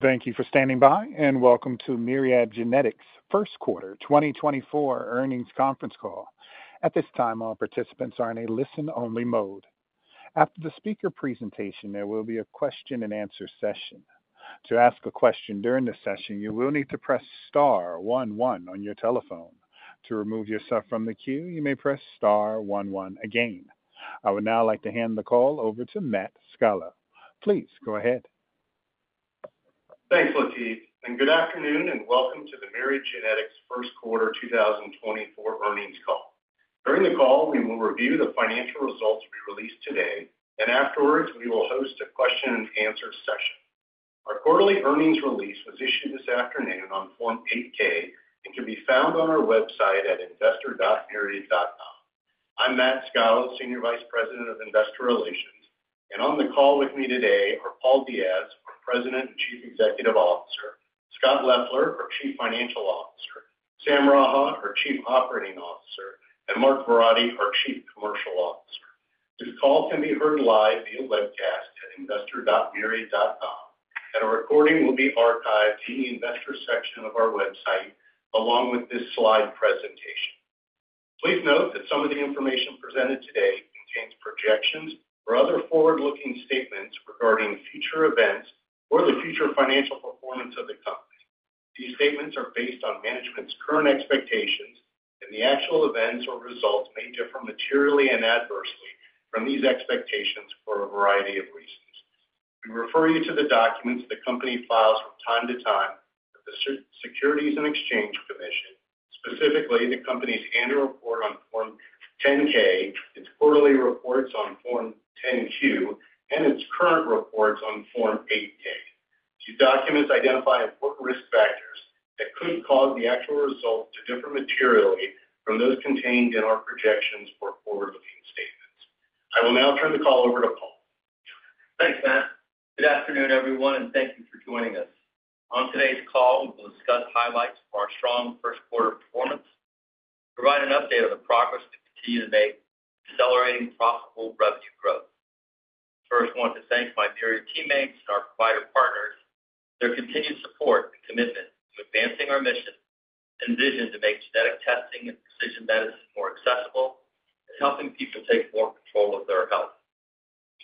Thank you for standing by, and welcome to Myriad Genetics' first quarter 2024 earnings conference call. At this time, all participants are in a listen-only mode. After the speaker presentation, there will be a question-and-answer session. To ask a question during the session, you will need to press star one one on your telephone. To remove yourself from the queue, you may press star one one again. I would now like to hand the call over to Matt Scalo. Please go ahead. Thanks, Latif. Good afternoon, and welcome to the Myriad Genetics' first quarter 2024 earnings call. During the call, we will review the financial results to be released today, and afterwards we will host a question-and-answer session. Our quarterly earnings release was issued this afternoon on Form 8-K and can be found on our website at investor.myriad.com. I'm Matt Scalo, Senior Vice President of Investor Relations, and on the call with me today are Paul Diaz, our President and Chief Executive Officer, Scott Leffler, our Chief Financial Officer, Sam Raha, our Chief Operating Officer, and Mark Verratti, our Chief Commercial Officer. This call can be heard live via webcast at investor.myriad.com, and a recording will be archived in the Investor section of our website along with this slide presentation. Please note that some of the information presented today contains projections or other forward-looking statements regarding future events or the future financial performance of the company. These statements are based on management's current expectations, and the actual events or results may differ materially and adversely from these expectations for a variety of reasons. We refer you to the documents the company files from time to time with the Securities and Exchange Commission, specifically the company's annual report on Form 10-K, its quarterly reports on Form 10-Q, and its current reports on Form 8-K. These documents identify important risk factors that could cause the actual results to differ materially from those contained in our projections or forward-looking statements. I will now turn the call over to Paul. Thanks, Matt. Good afternoon, everyone, and thank you for joining us. On today's call, we will discuss highlights from our strong first quarter performance, and provide an update on the progress we continue to make accelerating profitable revenue growth. First, I want to thank my Myriad teammates and our provider partners for their continued support and commitment to advancing our mission and vision to make genetic testing and precision medicine more accessible and helping people take more control of their health.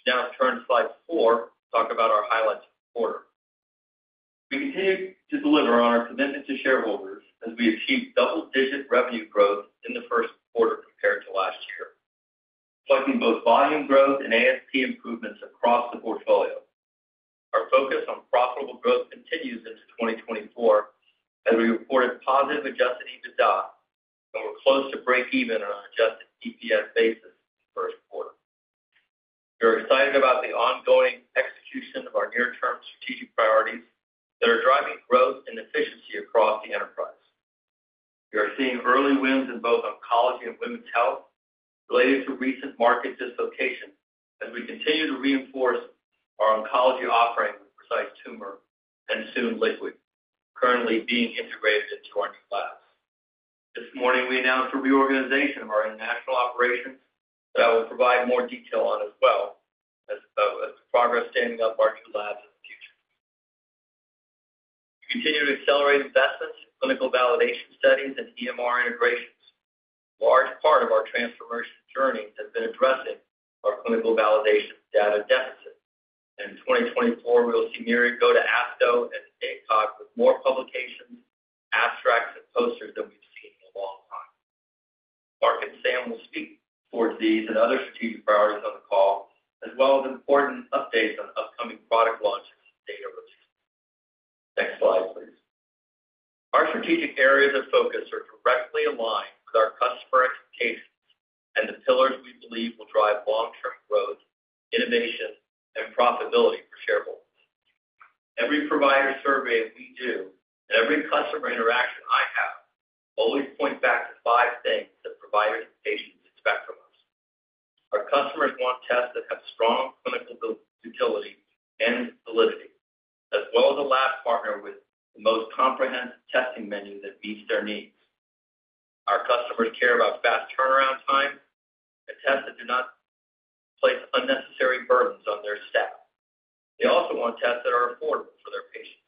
We'll now turn to slide four to talk about our highlights of the quarter. We continue to deliver on our commitment to shareholders as we achieve double-digit revenue growth in the first quarter compared to last year, reflecting both volume growth and ASP improvements across the portfolio. Our focus on profitable growth continues into 2024 as we reported positive adjusted EBITDA and were close to break-even on an adjusted EPS basis in the first quarter. We are excited about the ongoing execution of our near-term strategic priorities that are driving growth and efficiency across the enterprise. We are seeing early wins in both oncology and women's health related to recent market dislocation as we continue to reinforce our oncology offering with Precise Tumor and soon Liquid, currently being integrated into our new labs. This morning, we announced a reorganization of our international operations that I will provide more detail on as well as the progress standing up our new labs in the future. We continue to accelerate investments in clinical validation studies and EMR integrations. A large part of our transformation journey has been addressing our clinical validation data deficit, and in 2024, we will see Myriad go to ASCO and ACOG with more publications, abstracts, and posters than we've seen in a long time. Mark and Sam will speak towards these and other strategic priorities on the call, as well as important updates on upcoming product launches and data releases. Next slide, please. Our strategic areas of focus are directly aligned with our customer expectations and the pillars we believe will drive long-term growth, innovation, and profitability for shareholders. Every provider survey we do and every customer interaction I have always point back to five things that providers and patients expect from us. Our customers want tests that have strong clinical utility and validity, as well as a lab partner with the most comprehensive testing menu that meets their needs. Our customers care about fast turnaround time and tests that do not place unnecessary burdens on their staff. They also want tests that are affordable for their patients.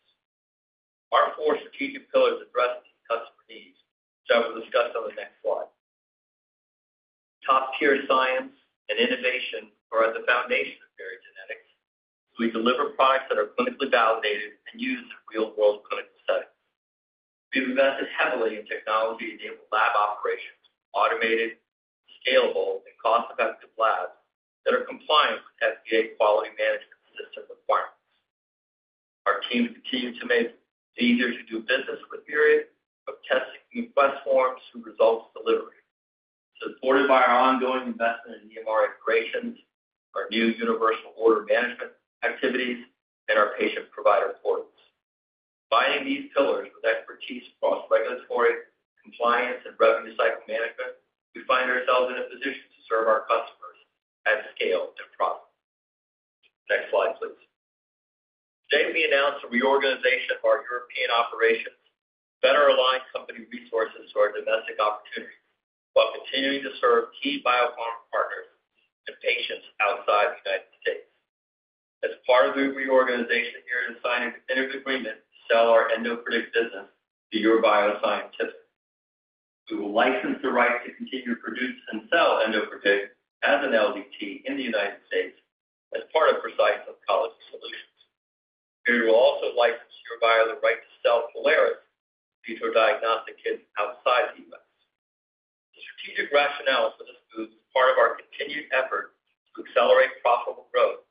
Our four strategic pillars address these customer needs, which I will discuss on the next slide. Top-tier science and innovation are at the foundation of Myriad Genetics, so we deliver products that are clinically validated and used in real-world clinical settings. We've invested heavily in technology-enabled lab operations, automated, scalable, and cost-effective labs that are compliant with FDA quality management system requirements. Our team continues to make it easier to do business with Myriad from testing request forms through results delivery, supported by our ongoing investment in EMR integrations, our new universal order management activities, and our patient-provider portals. Combining these pillars with expertise across regulatory, compliance, and revenue cycle management, we find ourselves in a position to serve our customers at scale and profitably. Next slide, please. Today, we announced a reorganization of our European operations to better align company resources to our domestic opportunities while continuing to serve key biopharma partners and patients outside the United States. As part of the reorganization, Myriad has signed a definitive agreement to sell our EndoPredict business to Eurobio Scientific. We will license the right to continue to produce and sell EndoPredict as an LDT in the United States as part of Precise Oncology Solutions. Myriad will also license Eurobio the right to sell Prolaris in vitro diagnostic kits outside the U.S. The strategic rationale for this move is part of our continued effort to accelerate profitable growth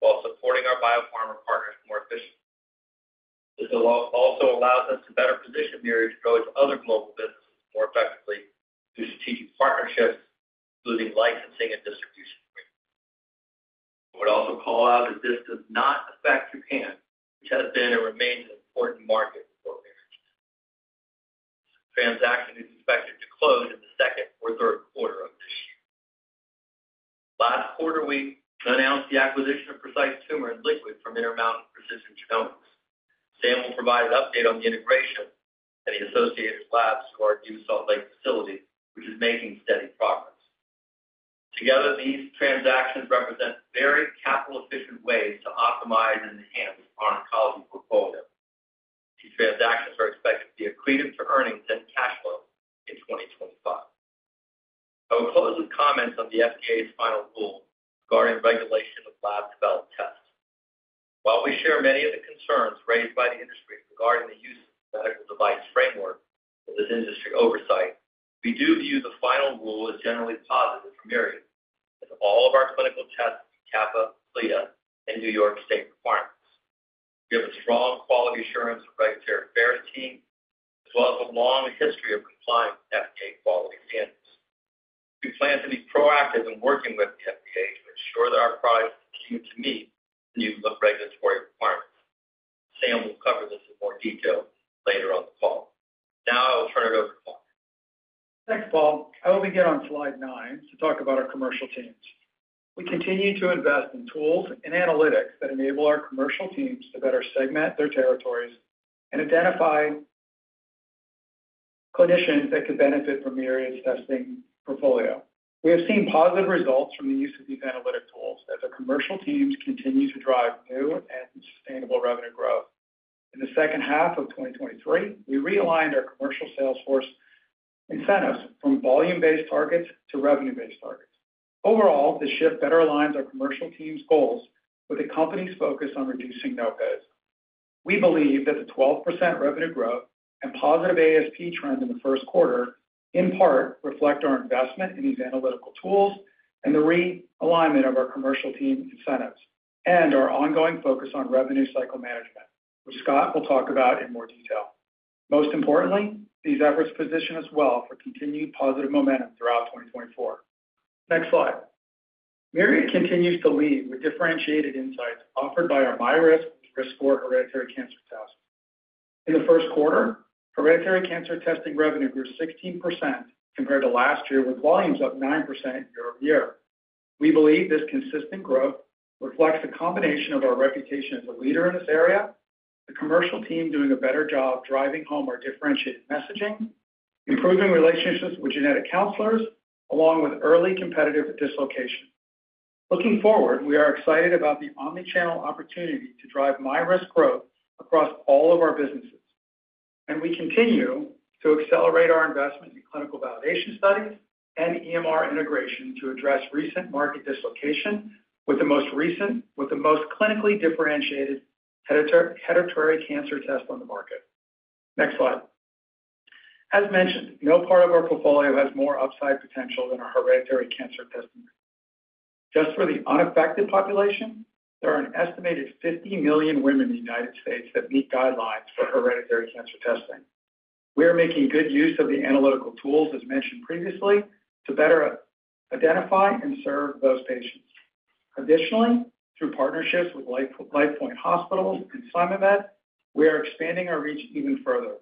while supporting our biopharma partners more efficiently. This also allows us to better position Myriad to grow into other global businesses more effectively through strategic partnerships, including licensing and distribution agreements. I would also call out that this does not affect Japan, which has been and remains an important market for Myriad Genetics. This transaction is expected to close in the second or third quarter of this year. Last quarter, we announced the acquisition of Precise Tumor and Liquid from Intermountain Precision Genomics. Sam will provide an update on the integration and the associated labs to our new Salt Lake facility, which is making steady progress. Together, these transactions represent very capital-efficient ways to optimize and enhance our oncology portfolio. These transactions are expected to be accretive to earnings and cash flow in 2025. I will close with comments on the FDA's final rule regarding regulation of lab-developed tests. While we share many of the concerns raised by the industry regarding the use of the medical device framework for this industry oversight, we do view the final rule as generally positive for Myriad as all of our clinical tests meet CAP, CLIA and New York state requirements. We have a strong quality assurance and regulatory fairness team, as well as a long history of compliance with FDA quality standards. We plan to be proactive in working with the FDA to ensure that our products continue to meet the new regulatory requirements. Sam will cover this in more detail later on the call. Now I will turn it over to Mark. Thanks, Paul. I will begin on slide nine to talk about our commercial teams. We continue to invest in tools and analytics that enable our commercial teams to better segment their territories and identify clinicians that could benefit from Myriad's testing portfolio. We have seen positive results from the use of these analytic tools as our commercial teams continue to drive new and sustainable revenue growth. In the second half of 2023, we realigned our commercial salesforce incentives from volume-based targets to revenue-based targets. Overall, this shift better aligns our commercial team's goals with the company's focus on reducing no-codes. We believe that the 12% revenue growth and positive ASP trend in the first quarter in part reflect our investment in these analytical tools and the realignment of our commercial team incentives and our ongoing focus on revenue cycle management, which Scott will talk about in more detail. Most importantly, these efforts position us well for continued positive momentum throughout 2024. Next slide. Myriad continues to lead with differentiated insights offered by our MyRisk, RiskScore Hereditary Cancer Tests. In the first quarter, hereditary cancer testing revenue grew 16% compared to last year, with volumes up 9% year-over-year. We believe this consistent growth reflects a combination of our reputation as a leader in this area, the commercial team doing a better job driving home our differentiated messaging, improving relationships with genetic counselors, along with early competitive dislocation. Looking forward, we are excited about the omnichannel opportunity to drive MyRisk growth across all of our businesses, and we continue to accelerate our investment in clinical validation studies and EMR integration to address recent market dislocation with the most clinically differentiated hereditary cancer test on the market. Next slide. As mentioned, no part of our portfolio has more upside potential than our hereditary cancer testing revenue. Just for the unaffected population, there are an estimated 50 million women in the United States that meet guidelines for hereditary cancer testing. We are making good use of the analytical tools, as mentioned previously, to better identify and serve those patients. Additionally, through partnerships with Lifepoint Hospitals and SimonMed, we are expanding our reach even further.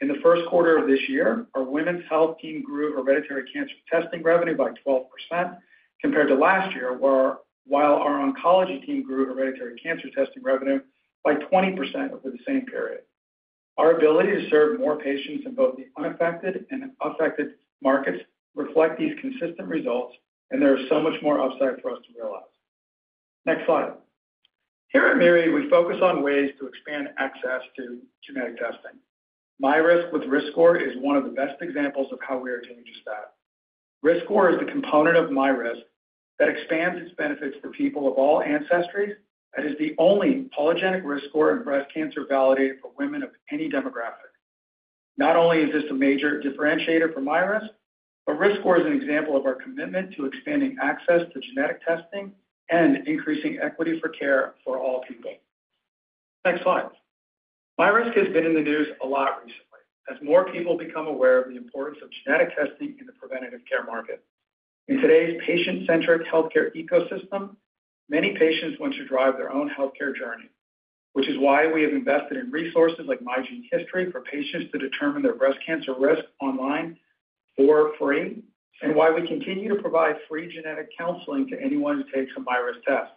In the first quarter of this year, our women's health team grew hereditary cancer testing revenue by 12% compared to last year, while our oncology team grew hereditary cancer testing revenue by 20% over the same period. Our ability to serve more patients in both the unaffected and affected markets reflects these consistent results, and there is so much more upside for us to realize. Next slide. Here at Myriad, we focus on ways to expand access to genetic testing. MyRisk with RiskScore is one of the best examples of how we are doing just that. RiskScore is the component of MyRisk that expands its benefits for people of all ancestries and is the only polygenic risk score in breast cancer validated for women of any demographic. Not only is this a major differentiator for MyRisk, but RiskScore is an example of our commitment to expanding access to genetic testing and increasing equity for care for all people. Next slide. MyRisk has been in the news a lot recently as more people become aware of the importance of genetic testing in the preventative care market. In today's patient-centric healthcare ecosystem, many patients want to drive their own healthcare journey, which is why we have invested in resources like MyGeneHistory for patients to determine their breast cancer risk online for free, and why we continue to provide free genetic counseling to anyone who takes a MyRisk test.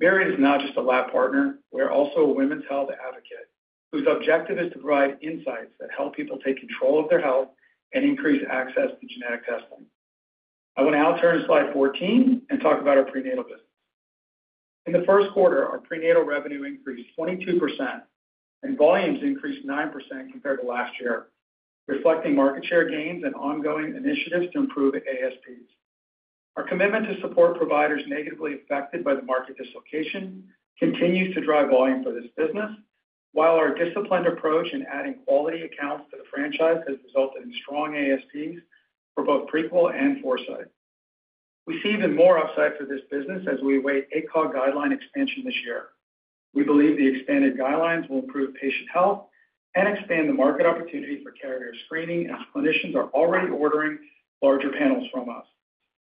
Myriad is not just a lab partner. We are also a women's health advocate whose objective is to provide insights that help people take control of their health and increase access to genetic testing. I will now turn to slide 14 and talk about our prenatal business. In the first quarter, our prenatal revenue increased 22%, and volumes increased 9% compared to last year, reflecting market share gains and ongoing initiatives to improve ASPs. Our commitment to support providers negatively affected by the market dislocation continues to drive volume for this business, while our disciplined approach in adding quality accounts to the franchise has resulted in strong ASPs for both Prequel and Foresight. We see even more upside for this business as we await ACOG guideline expansion this year. We believe the expanded guidelines will improve patient health and expand the market opportunity for carrier screening, as clinicians are already ordering larger panels from us.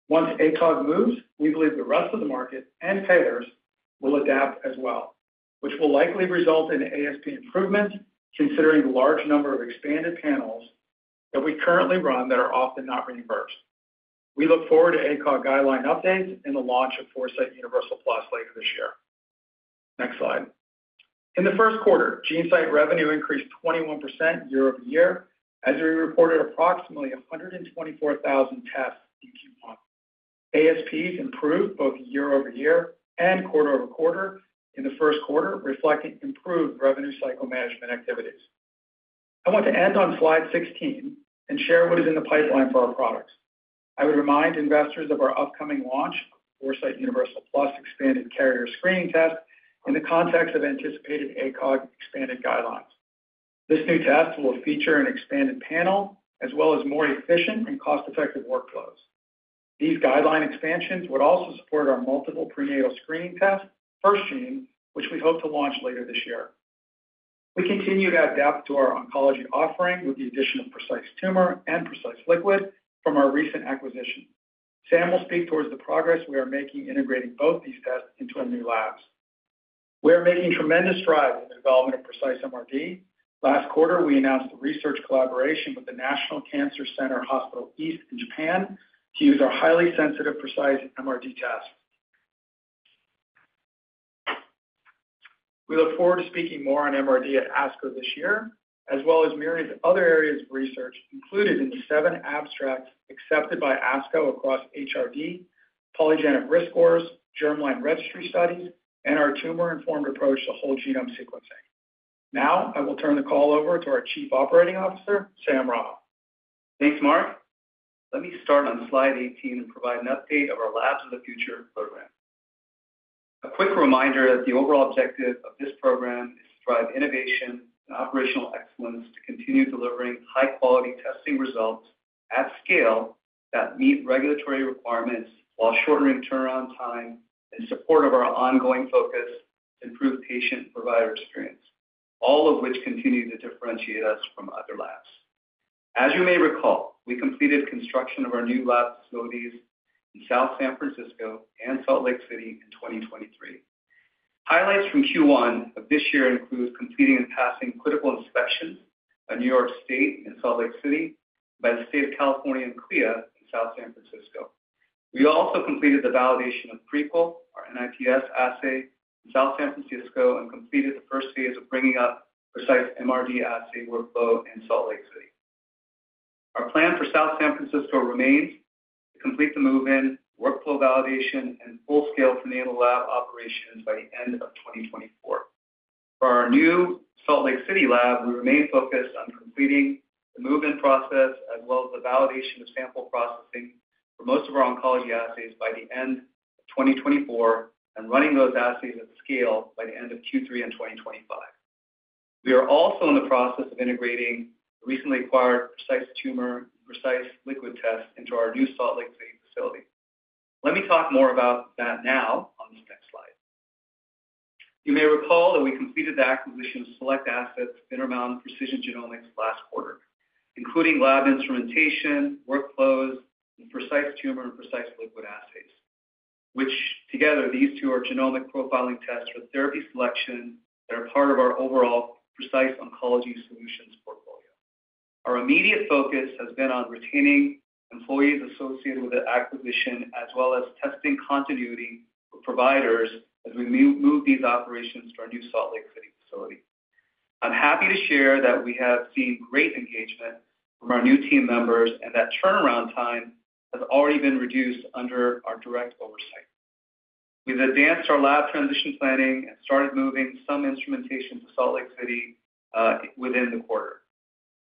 Once ACOG moves, we believe the rest of the market and payers will adapt as well, which will likely result in ASP improvements considering the large number of expanded panels that we currently run that are often not reimbursed. We look forward to ACOG guideline updates and the launch of Foresight Universal Plus later this year. Next slide. In the first quarter, GeneSight revenue increased 21% year-over-year as we reported approximately 124,000 tests in Q1. ASPs improved both year-over-year and quarter-over-quarter in the first quarter, reflecting improved revenue cycle management activities. I want to end on slide 16 and share what is in the pipeline for our products. I would remind investors of our upcoming launch, Foresight Universal Plus expanded carrier screening test, in the context of anticipated ACOG expanded guidelines. This new test will feature an expanded panel as well as more efficient and cost-effective workflows. These guideline expansions would also support our multiple prenatal screening tests, FirstGene, which we hope to launch later this year. We continue to adapt to our oncology offering with the addition of Precise Tumor and Precise Liquid from our recent acquisition. Sam will speak toward the progress we are making integrating both these tests into our new labs. We are making tremendous strides in the development of Precise MRD. Last quarter, we announced a research collaboration with the National Cancer Center Hospital East in Japan to use our highly sensitive Precise MRD test. We look forward to speaking more on MRD at ASCO this year, as well as Myriad's other areas of research included in the seven abstracts accepted by ASCO across HRD, polygenic risk scores, germline registry studies, and our tumor-informed approach to whole genome sequencing. Now I will turn the call over to our Chief Operating Officer, Sam Raha. Thanks, Mark. Let me start on slide 18 and provide an update of our Labs in the Future program. A quick reminder that the overall objective of this program is to drive innovation and operational excellence to continue delivering high-quality testing results at scale that meet regulatory requirements while shortening turnaround time in support of our ongoing focus to improve patient-provider experience, all of which continue to differentiate us from other labs. As you may recall, we completed construction of our new lab facilities in South San Francisco and Salt Lake City in 2023. Highlights from Q1 of this year include completing and passing critical inspections in New York State and Salt Lake City by the state of California and CLIA in South San Francisco. We also completed the validation of Prequel, our NIPS assay in South San Francisco, and completed the first phase of bringing up Precise MRD assay workflow in Salt Lake City. Our plan for South San Francisco remains to complete the move-in, workflow validation, and full-scale prenatal lab operations by the end of 2024. For our new Salt Lake City lab, we remain focused on completing the move-in process as well as the validation of sample processing for most of our oncology assays by the end of 2024 and running those assays at scale by the end of Q3 in 2025. We are also in the process of integrating the recently acquired Precise Tumor and Precise Liquid tests into our new Salt Lake City facility. Let me talk more about that now on this next slide. You may recall that we completed the acquisition of select assets from Intermountain Precision Genomics last quarter, including lab instrumentation, workflows, Precise Tumor, and Precise Liquid assays, which together, these two are genomic profiling tests for therapy selection that are part of our overall Precise Oncology Solutions portfolio. Our immediate focus has been on retaining employees associated with the acquisition as well as testing continuity with providers as we move these operations to our new Salt Lake City facility. I'm happy to share that we have seen great engagement from our new team members and that turnaround time has already been reduced under our direct oversight. We've advanced our lab transition planning and started moving some instrumentation to Salt Lake City within the quarter.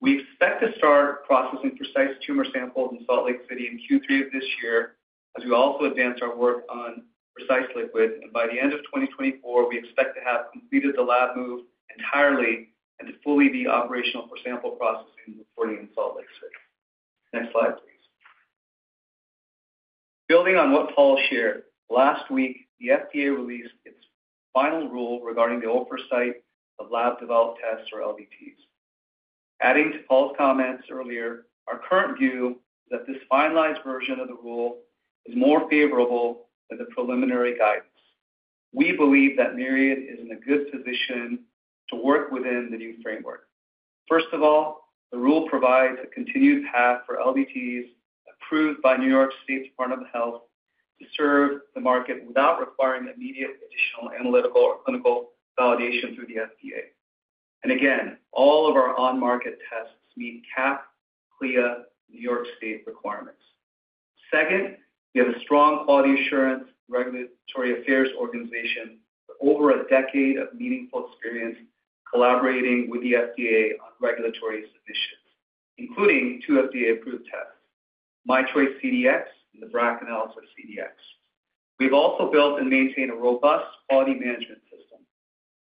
We expect to start processing Precise Tumor samples in Salt Lake City in Q3 of this year as we also advance our work on Precise Liquid. By the end of 2024, we expect to have completed the lab move entirely and to fully be operational for sample processing reporting in Salt Lake City. Next slide, please. Building on what Paul shared, last week, the FDA released its final rule regarding the oversight of lab-developed tests, or LDTs. Adding to Paul's comments earlier, our current view is that this finalized version of the rule is more favorable than the preliminary guidance. We believe that Myriad is in a good position to work within the new framework. First of all, the rule provides a continued path for LDTs approved by New York State Department of Health to serve the market without requiring immediate additional analytical or clinical validation through the FDA. Again, all of our on-market tests meet CAP, CLIA, New York State requirements. Second, we have a strong quality assurance regulatory affairs organization with over a decade of meaningful experience collaborating with the FDA on regulatory submissions, including 2 FDA-approved tests, MyChoice CDx and the BRACAnalysis CDx. We've also built and maintained a robust quality management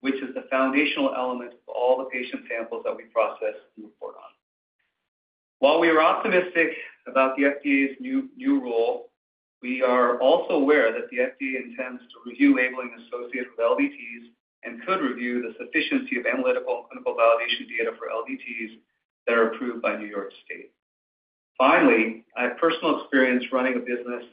system, which is the foundational element of all the patient samples that we process and report on. While we are optimistic about the FDA's new rule, we are also aware that the FDA intends to review labeling associated with LDTs and could review the sufficiency of analytical and clinical validation data for LDTs that are approved by New York State. Finally, I have personal experience running a business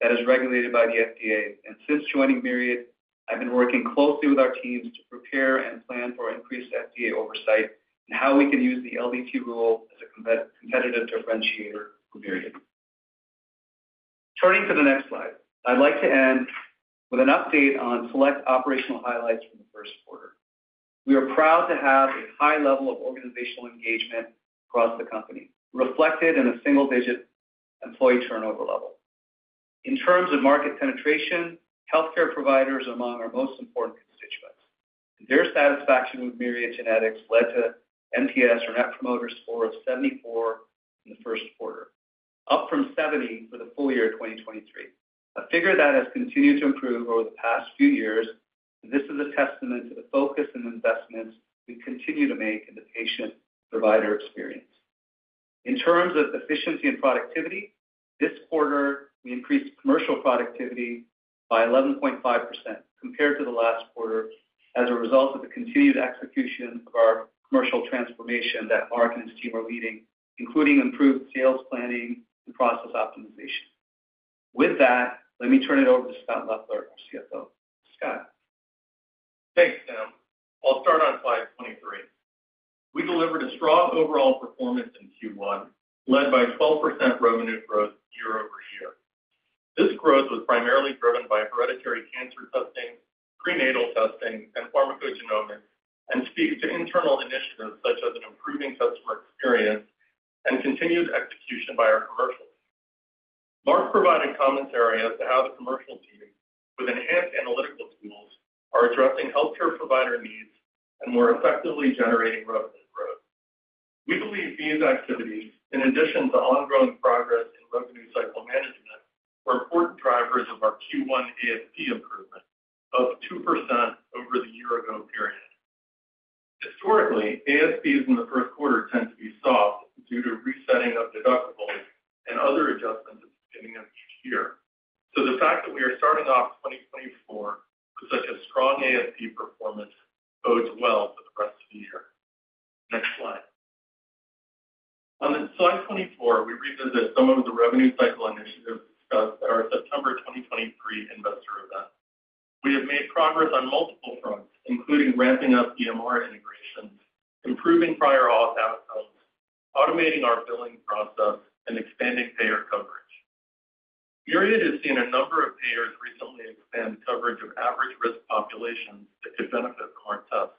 that is regulated by the FDA. Since joining Myriad, I've been working closely with our teams to prepare and plan for increased FDA oversight and how we can use the LDT rule as a competitive differentiator for Myriad. Turning to the next slide, I'd like to end with an update on select operational highlights from the first quarter. We are proud to have a high level of organizational engagement across the company, reflected in a single-digit employee turnover level. In terms of market penetration, healthcare providers are among our most important constituents. Their satisfaction with Myriad Genetics led to NPS or Net Promoter Score of 74 in the first quarter, up from 70 for the full year of 2023, a figure that has continued to improve over the past few years. This is a testament to the focus and investments we continue to make in the patient-provider experience. In terms of efficiency and productivity, this quarter, we increased commercial productivity by 11.5% compared to the last quarter as a result of the continued execution of our commercial transformation that Mark and his team are leading, including improved sales planning and process optimization. With that, let me turn it over to Scott Leffler, our CFO. Scott. Thanks, Sam. I'll start on slide 23. We delivered a strong overall performance in Q1, led by 12% revenue growth year-over-year. This growth was primarily driven by hereditary cancer testing, prenatal testing, and pharmacogenomics and speaks to internal initiatives such as an improving customer experience and continued execution by our commercial team. Mark provided commentary as to how the commercial team, with enhanced analytical tools, are addressing healthcare provider needs and more effectively generating revenue growth. We believe these activities, in addition to ongoing progress in revenue cycle management, were important drivers of our Q1 ASP improvement of 2% over the year-ago period. Historically, ASPs in the first quarter tend to be soft due to resetting of deductibles and other adjustments at the beginning of each year. So the fact that we are starting off 2024 with such a strong ASP performance bodes well for the rest of the year. Next slide. On slide 24, we revisit some of the revenue cycle initiatives discussed at our September 2023 investor event. We have made progress on multiple fronts, including ramping up EMR integrations, improving prior auth outcomes, automating our billing process, and expanding payer coverage. Myriad has seen a number of payers recently expand coverage of average risk populations that could benefit from our tests.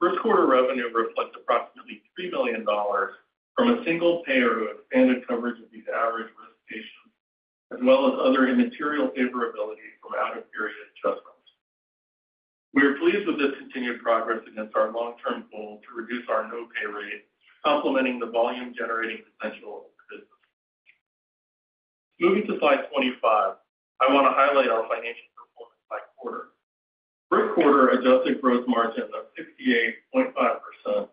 First-quarter revenue reflects approximately $3 million from a single payer who expanded coverage of these average risk patients, as well as other immaterial favorability from out-of-period adjustments. We are pleased with this continued progress against our long-term goal to reduce our no-pay rate, complementing the volume-generating potential of the business. Moving to slide 25, I want to highlight our financial performance by quarter. First quarter, adjusted gross margin of 68.5%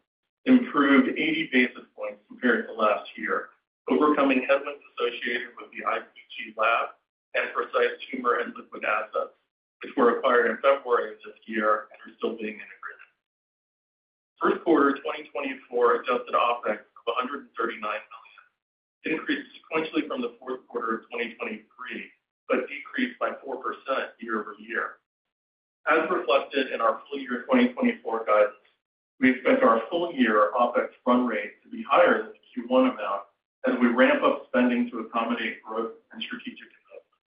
improved 80 basis points compared to last year, overcoming headwinds associated with the IPG lab and Precise Tumor and Liquid assets, which were acquired in February of this year and are still being integrated. First quarter 2024 adjusted OpEx of $139 million, increased sequentially from the fourth quarter of 2023 but decreased by 4% year-over-year. As reflected in our full-year 2024 guidance, we expect our full-year OpEx run rate to be higher than the Q1 amount as we ramp up spending to accommodate growth and strategic investments.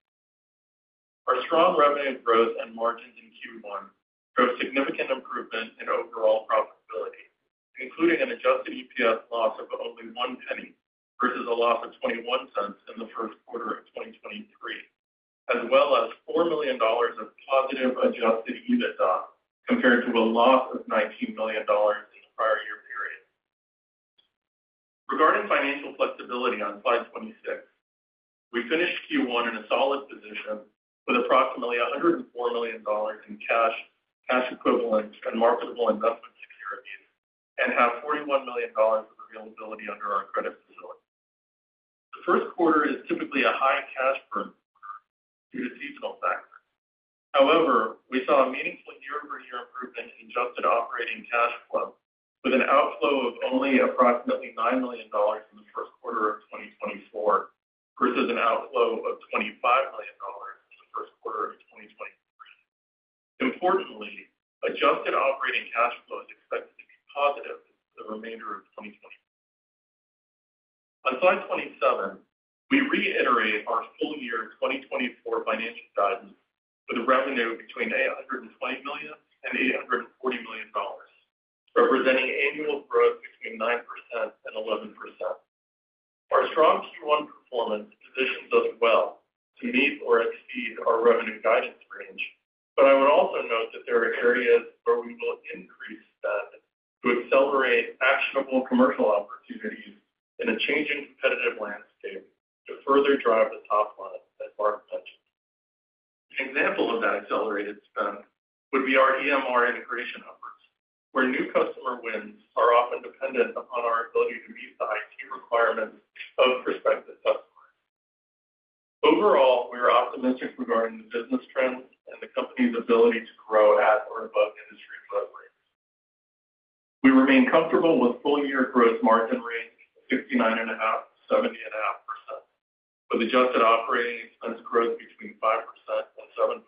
Our strong revenue growth and margins in Q1 show significant improvement in overall profitability, including an adjusted EPS loss of only $0.01 versus a loss of $0.21 in the first quarter of 2023, as well as $4 million of positive adjusted EBITDA compared to a loss of $19 million in the prior year period. Regarding financial flexibility on slide 26, we finished Q1 in a solid position with approximately $104 million in cash, cash equivalents, and marketable investment securities and have $41 million of availability under our credit facility. The first quarter is typically a high cash-burn quarter due to seasonal factors. However, we saw a meaningful year-over-year improvement in adjusted operating cash flow with an outflow of only approximately $9 million in the first quarter of 2024 versus an outflow of $25 million in the first quarter of 2023. Importantly, adjusted operating cash flow is expected to be positive for the remainder of 2024. On slide 27, we reiterate our full-year 2024 financial guidance with a revenue between $820 million-$840 million, representing annual growth between 9%-11%. Our strong Q1 performance positions us well to meet or exceed our revenue guidance range. But I would also note that there are areas where we will increase spend to accelerate actionable commercial opportunities in a changing competitive landscape to further drive the top line, as Mark mentioned. An example of that accelerated spend would be our EMR integration efforts, where new customer wins are often dependent upon our ability to meet the IT requirements of prospective customers. Overall, we are optimistic regarding the business trends and the company's ability to grow at or above industry growth rates. We remain comfortable with full-year gross margin range of 69.5%-70.5%, with adjusted operating expense growth between 5% and 7%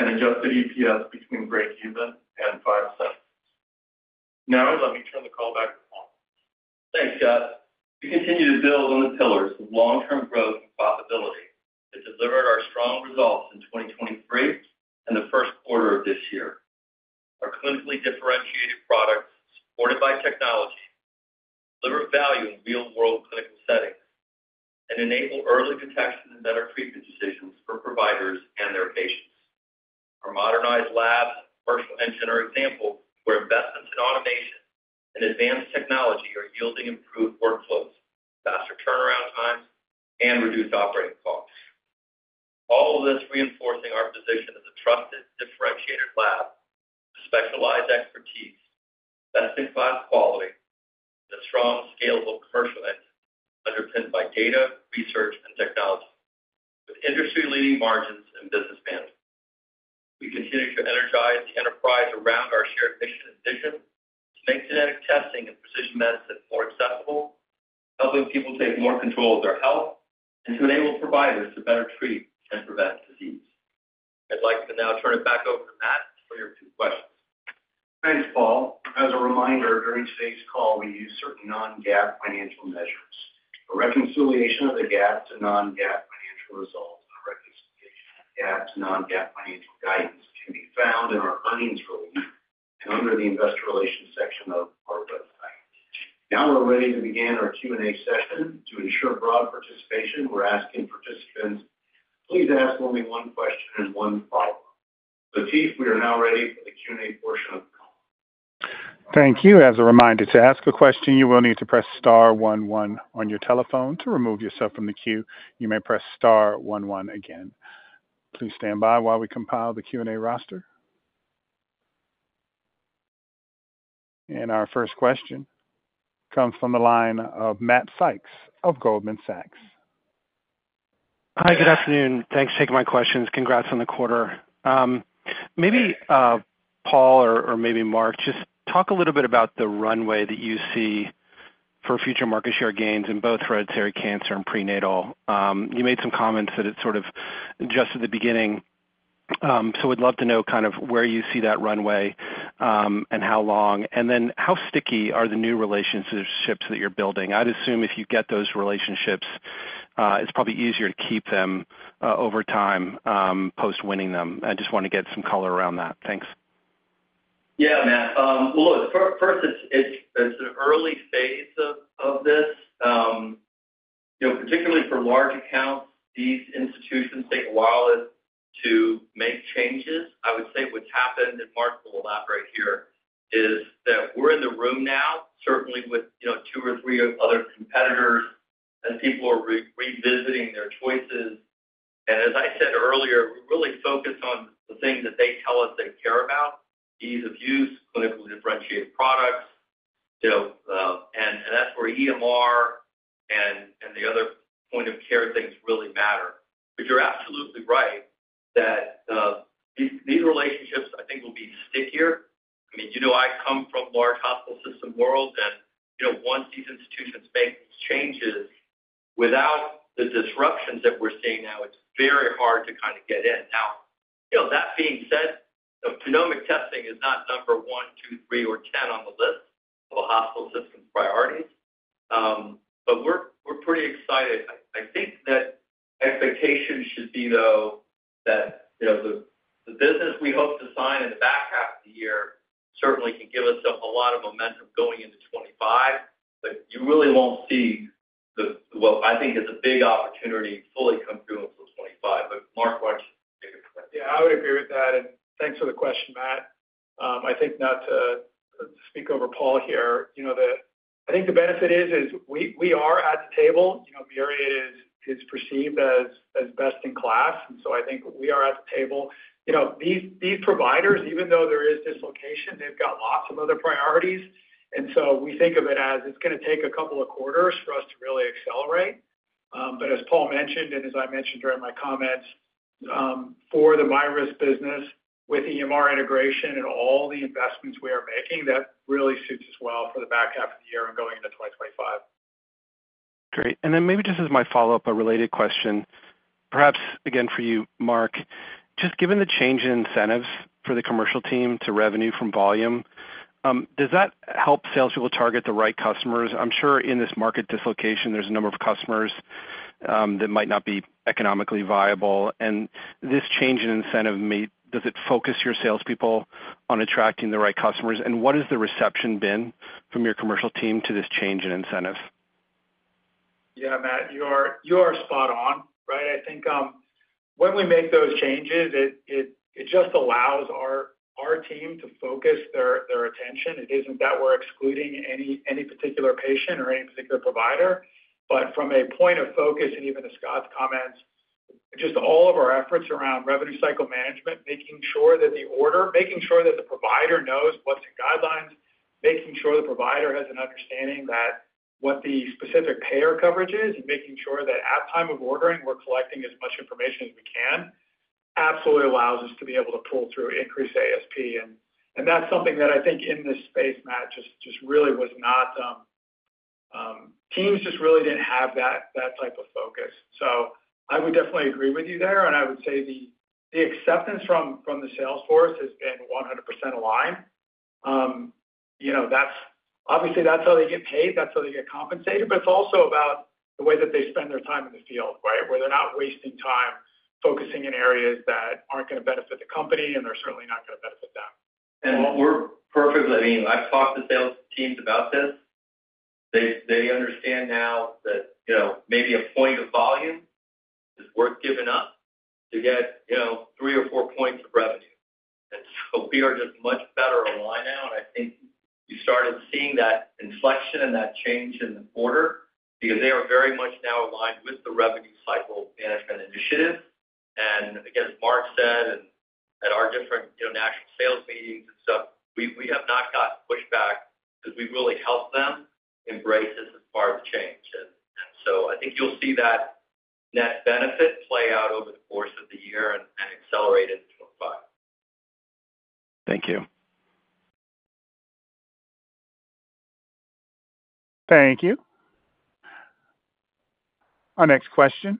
and adjusted EPS between break-even and $0.05. Now, let me turn the call back to Paul. Thanks, Scott. We continue to build on the pillars of long-term growth and profitability that delivered our strong results in 2023 and the first quarter of this year. Our clinically differentiated products, supported by technology, deliver value in real-world clinical settings and enable early detection and better treatment decisions for providers and their patients. Our modernized labs and commercial engine are examples where investments in automation and advanced technology are yielding improved workflows, faster turnaround times, and reduced operating costs, all of this reinforcing our position as a trusted, differentiated lab with specialized expertise, best-in-class quality, and a strong, scalable commercial engine underpinned by data, research, and technology, with industry-leading margins and business bandwidth. We continue to energize the enterprise around our shared mission and vision to make genetic testing and precision medicine more accessible, helping people take more control of their health, and to enable providers to better treat and prevent disease. I'd like to now turn it back over to Matt for your two questions. Thanks, Paul. As a reminder, during today's call, we used certain non-GAAP financial measures. A reconciliation of the GAAP to non-GAAP financial results and a reconciliation of GAAP to non-GAAP financial guidance can be found in our earnings release and under the investor relations section of our website. Now we're ready to begin our Q&A session. To ensure broad participation, we're asking participants, please ask only one question and one follow-up. Latif, we are now ready for the Q&A portion of the call. Thank you. As a reminder, to ask a question, you will need to press star one one on your telephone. To remove yourself from the queue, you may press star one one again. Please stand by while we compile the Q&A roster. Our first question comes from the line of Matt Sykes of Goldman Sachs. Hi, good afternoon. Thanks for taking my questions. Congrats on the quarter. Maybe Paul or maybe Mark, just talk a little bit about the runway that you see for future market share gains in both hereditary cancer and prenatal. You made some comments that it sort of adjusted at the beginning. So we'd love to know kind of where you see that runway and how long. And then how sticky are the new relationships that you're building? I'd assume if you get those relationships, it's probably easier to keep them over time post-winning them. I just want to get some color around that. Thanks. Yeah, Matt. Well, look, first, it's an early phase of this. Particularly for large accounts, these institutions take a while to make changes. I would say what's happened, and Mark will elaborate here, is that we're in the room now, certainly with two or three other competitors, as people are revisiting their choices. And as I said earlier, we really focus on the things that they tell us they care about: ease of use, clinically differentiated products. And that's where EMR and the other point-of-care things really matter. But you're absolutely right that these relationships, I think, will be stickier. I mean, I come from a large hospital system world, and once these institutions make these changes, without the disruptions that we're seeing now, it's very hard to kind of get in. Now, that being said, genomic testing is not number 1, 2, 3, or 10 on the list of a hospital system's priorities. But we're pretty excited. I think that expectations should be, though, that the business we hope to sign in the back half of the year certainly can give us a lot of momentum going into 2025. But you really won't see what I think is a big opportunity fully come through until 2025. But Mark, why don't you make a comment? Yeah, I would agree with that. Thanks for the question, Matt. I think not to speak over Paul here. I think the benefit is we are at the table. Myriad is perceived as best in class. So I think we are at the table. These providers, even though there is dislocation, they've got lots of other priorities. So we think of it as it's going to take a couple of quarters for us to really accelerate. But as Paul mentioned and as I mentioned during my comments, for the MyRisk business with EMR integration and all the investments we are making, that really suits us well for the back half of the year and going into 2025. Great. And then maybe just as my follow-up, a related question, perhaps again for you, Mark. Just given the change in incentives for the commercial team to revenue from volume, does that help salespeople target the right customers? I'm sure in this market dislocation, there's a number of customers that might not be economically viable. And this change in incentive, does it focus your salespeople on attracting the right customers? And what has the reception been from your commercial team to this change in incentives? Yeah, Matt, you are spot on, right? I think when we make those changes, it just allows our team to focus their attention. It isn't that we're excluding any particular patient or any particular provider. But from a point of focus, and even to Scott's comments, just all of our efforts around revenue cycle management, making sure that the order, making sure that the provider knows what's in guidelines, making sure the provider has an understanding of what the specific payer coverage is, and making sure that at time of ordering, we're collecting as much information as we can, absolutely allows us to be able to pull through increased ASP. And that's something that I think in this space, Matt, just really was not. Teams just really didn't have that type of focus. So I would definitely agree with you there. I would say the acceptance from the sales force has been 100% aligned. Obviously, that's how they get paid. That's how they get compensated. But it's also about the way that they spend their time in the field, right, where they're not wasting time focusing in areas that aren't going to benefit the company, and they're certainly not going to benefit them. And we're perfectly - I mean, I've talked to sales teams about this. They understand now that maybe a point of volume is worth giving up to get three or four points of revenue. And so we are just much better aligned now. And I think you started seeing that inflection and that change in the quarter because they are very much now aligned with the revenue cycle management initiative. Again, as Mark said and at our different national sales meetings and stuff, we have not gotten pushback because we've really helped them embrace this as part of the change. So I think you'll see that net benefit play out over the course of the year and accelerate into 2025. Thank you. Thank you. Our next question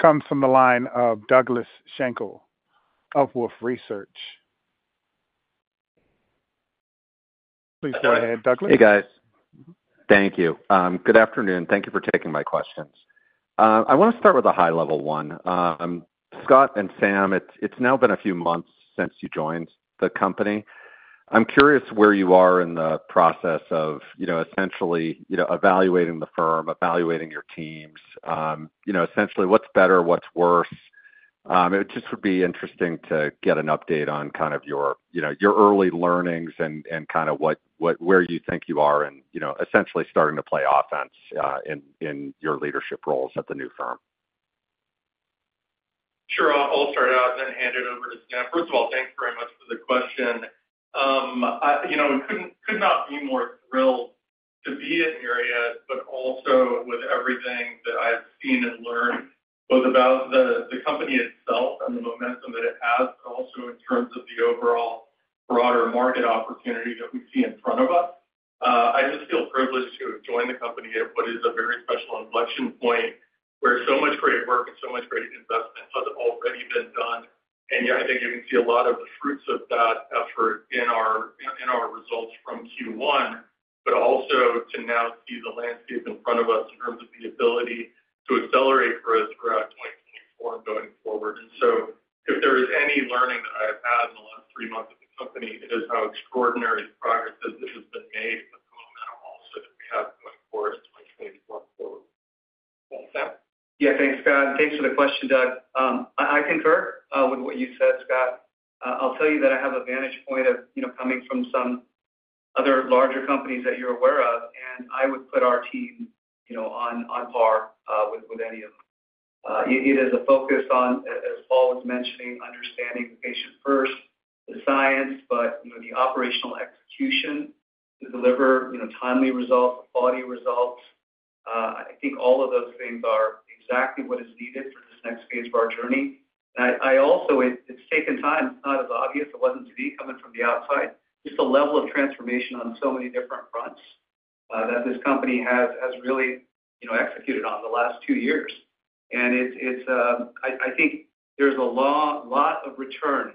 comes from the line of Douglas Schenkel of Wolfe Research. Please go ahead, Douglas. Hey, guys. Thank you. Good afternoon. Thank you for taking my questions. I want to start with a high-level one. Scott and Sam, it's now been a few months since you joined the company. I'm curious where you are in the process of essentially evaluating the firm, evaluating your teams, essentially what's better, what's worse. It just would be interesting to get an update on kind of your early learnings and kind of where you think you are in essentially starting to play offense in your leadership roles at the new firm. Sure. I'll start out and then hand it over to Sam. First of all, thanks very much for the question. We could not be more thrilled to be at Myriad, but also with everything that I have seen and learned, both about the company itself and the momentum that it has, but also in terms of the overall broader market opportunity that we see in front of us. I just feel privileged to have joined the company at what is a very special inflection point where so much great work and so much great investment has already been done. And yeah, I think you can see a lot of the fruits of that effort in our results from Q1, but also to now see the landscape in front of us in terms of the ability to accelerate growth throughout 2024 and going forward. And so if there is any learning that I have had in the last three months at the company, it is how extraordinary progress that has been made and the momentum also that we have going forward in 2024. Sam. Yeah, thanks, Scott. Thanks for the question, Doug. I concur with what you said, Scott. I'll tell you that I have a vantage point of coming from some other larger companies that you're aware of. I would put our team on par with any of them. It is a focus on, as Paul was mentioning, understanding the patient first, the science, but the operational execution to deliver timely results, quality results. I think all of those things are exactly what is needed for this next phase of our journey. Also, it's taken time. It's not as obvious. It wasn't to me coming from the outside. Just the level of transformation on so many different fronts that this company has really executed on the last two years. I think there's a lot of return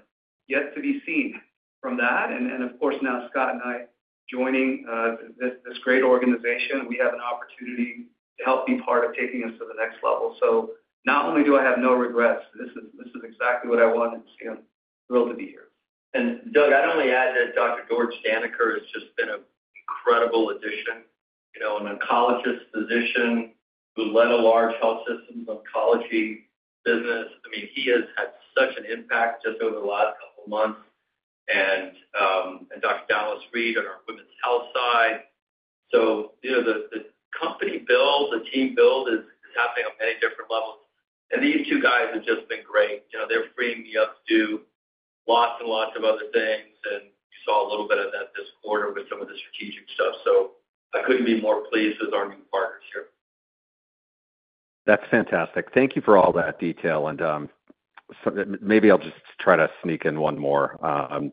yet to be seen from that. Of course, now Scott and I joining this great organization, we have an opportunity to help be part of taking us to the next level. So not only do I have no regrets, this is exactly what I wanted to see them. Thrilled to be here. And Doug, I'd only add that Dr. George Daneker has just been an incredible addition, an oncologist physician who led a large health systems oncology business. I mean, he has had such an impact just over the last couple of months. And Dr. Dallas Reed on our women's health side. So the company build, the team build is happening on many different levels. And these two guys have just been great. They're freeing me up to do lots and lots of other things. And you saw a little bit of that this quarter with some of the strategic stuff. So I couldn't be more pleased with our new partners here. That's fantastic. Thank you for all that detail. And maybe I'll just try to sneak in one more on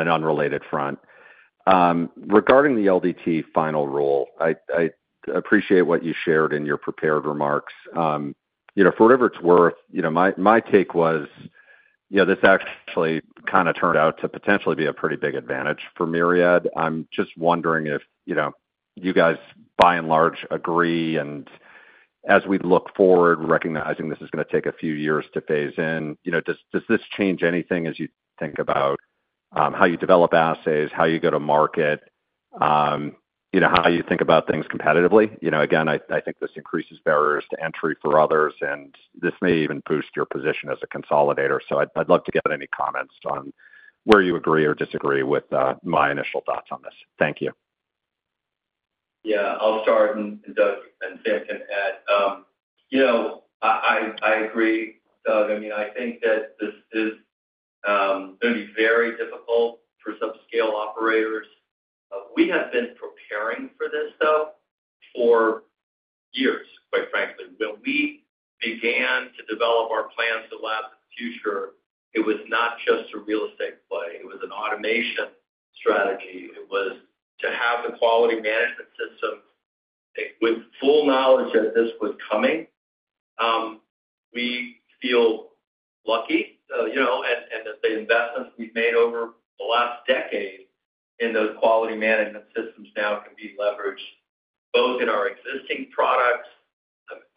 an unrelated front. Regarding the LDT final rule, I appreciate what you shared in your prepared remarks. For whatever it's worth, my take was this actually kind of turned out to potentially be a pretty big advantage for Myriad. I'm just wondering if you guys, by and large, agree. And as we look forward, recognizing this is going to take a few years to phase in, does this change anything as you think about how you develop assays, how you go to market, how you think about things competitively? Again, I think this increases barriers to entry for others. And this may even boost your position as a consolidator. So I'd love to get any comments on where you agree or disagree with my initial thoughts on this. Thank you. Yeah, I'll start. And Doug and Sam can add. I agree, Doug. I mean, I think that this is going to be very difficult for subscale operators. We have been preparing for this, though, for years, quite frankly. When we began to develop our plans to labs in the future, it was not just a real estate play. It was an automation strategy. It was to have the quality management system with full knowledge that this was coming. We feel lucky and that the investments we've made over the last decade in those quality management systems now can be leveraged both in our existing products,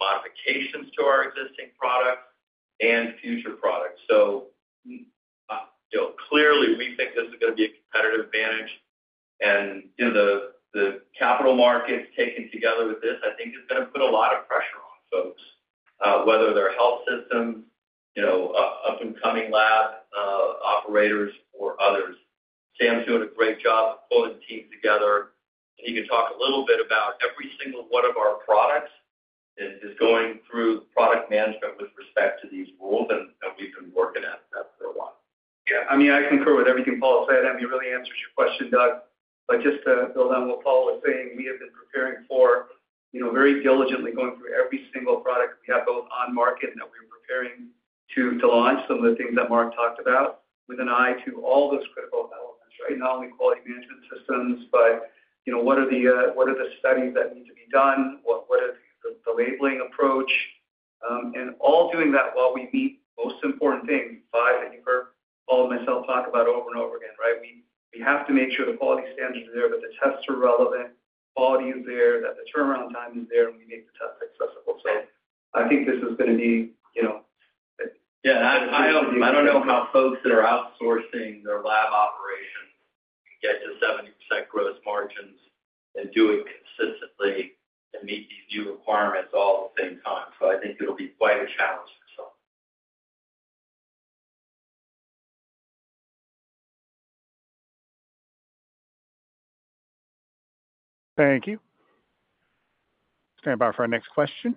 modifications to our existing products, and future products. So clearly, we think this is going to be a competitive advantage. The capital markets taken together with this, I think, is going to put a lot of pressure on folks, whether they're health systems, up-and-coming lab operators, or others. Sam's doing a great job of pulling teams together. He can talk a little bit about every single one of our products is going through product management with respect to these rules. We've been working at that for a while. Yeah, I mean, I concur with everything Paul said. It really answers your question, Doug. Just to build on what Paul was saying, we have been preparing for very diligently going through every single product we have both on market and that we're preparing to launch, some of the things that Mark talked about, with an eye to all those critical elements, right, not only quality management systems, but what are the studies that need to be done, what is the labeling approach. All doing that while we meet the most important things, five that you've heard Paul and myself talk about over and over again, right? We have to make sure the quality standards are there, but the tests are relevant, quality is there, that the turnaround time is there, and we make the tests accessible. I think this is going to be - Yeah, and I don't know how folks that are outsourcing their lab operations can get to 70% gross margins and do it consistently and meet these new requirements all at the same time. So I think it'll be quite a challenge for some. Thank you. Stand by for our next question,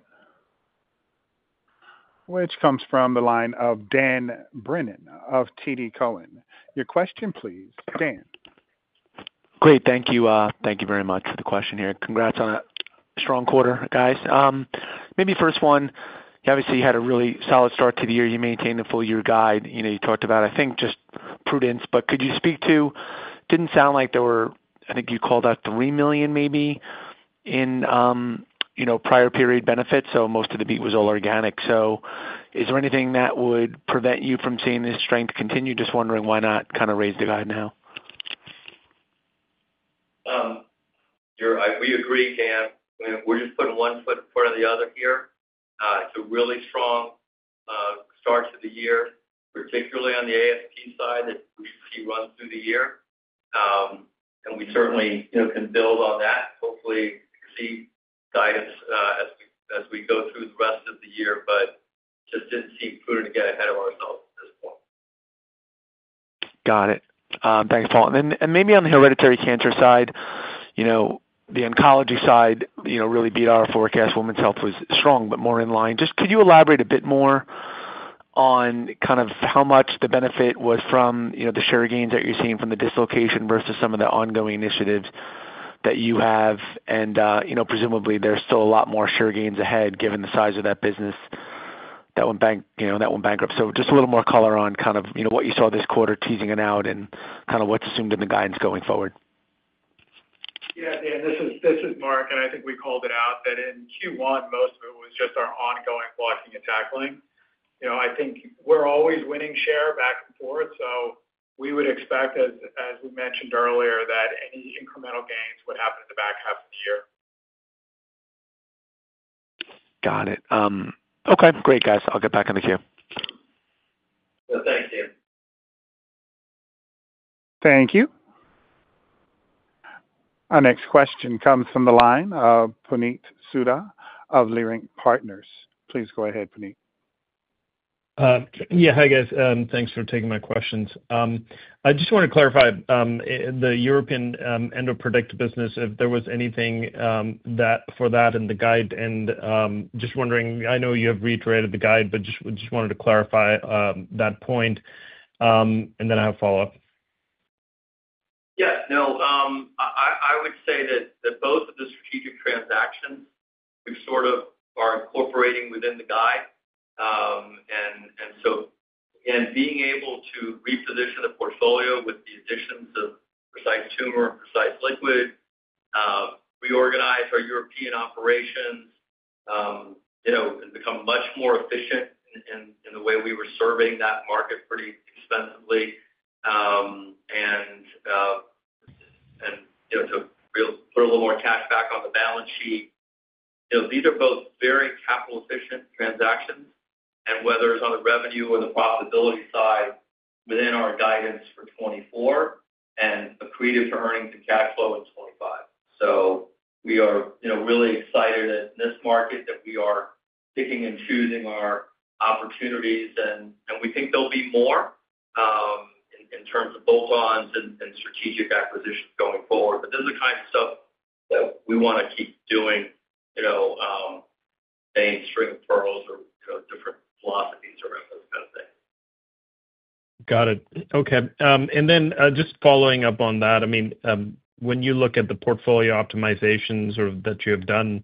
which comes from the line of Dan Brennan of TD Cowen. Your question, please, Dan. Great. Thank you. Thank you very much for the question here. Congrats on a strong quarter, guys. Maybe first one, obviously, you had a really solid start to the year. You maintained the full-year guide. You talked about, I think, just prudence. But could you speak to didn't sound like there were I think you called out $3 million, maybe, in prior-period benefits. So most of the beat was all organic. So is there anything that would prevent you from seeing this strength continue? Just wondering why not kind of raise the guide now? We agree, Dan. We're just putting one foot in front of the other here. It's a really strong start to the year, particularly on the ASP side that we see runs through the year. And we certainly can build on that, hopefully see guidance as we go through the rest of the year. But just didn't seem prudent to get ahead of ourselves at this point. Got it. Thanks, Paul. And maybe on the hereditary cancer side, the oncology side really beat our forecast. Women's health was strong, but more in line. Just could you elaborate a bit more on kind of how much the benefit was from the share gains that you're seeing from the dislocation versus some of the ongoing initiatives that you have? And presumably, there's still a lot more share gains ahead given the size of that business that went bankrupt. So just a little more color on kind of what you saw this quarter teasing it out and kind of what's assumed in the guidance going forward. Yeah, Dan, this is Mark. I think we called it out that in Q1, most of it was just our ongoing blocking and tackling. I think we're always winning share back and forth. We would expect, as we mentioned earlier, that any incremental gains would happen in the back half of the year. Got it. Okay. Great, guys. I'll get back on the queue. Well, thank you. Thank you. Our next question comes from the line, Puneet Souda of Leerink Partners. Please go ahead, Puneet. Yeah, hi, guys. Thanks for taking my questions. I just want to clarify the European EndoPredict business, if there was anything for that in the guide. And just wondering, I know you have reiterated the guide, but just wanted to clarify that point. And then I have follow-up. Yeah. No, I would say that both of the strategic transactions sort of are incorporating within the guide. And so again, being able to reposition the portfolio with the additions of Precise Tumor and Precise Liquid, reorganize our European operations, and become much more efficient in the way we were serving that market pretty expensively. And to put a little more cash back on the balance sheet, these are both very capital-efficient transactions. And whether it's on the revenue or the profitability side, within our guidance for 2024 and accretive to earnings and cash flow in 2025. So we are really excited in this market that we are picking and choosing our opportunities. And we think there'll be more in terms of bolt-ons and strategic acquisitions going forward. But this is the kind of stuff that we want to keep doing, saying string of pearls or different philosophies around those kind of things. Got it. Okay. And then just following up on that, I mean, when you look at the portfolio optimizations sort of that you have done,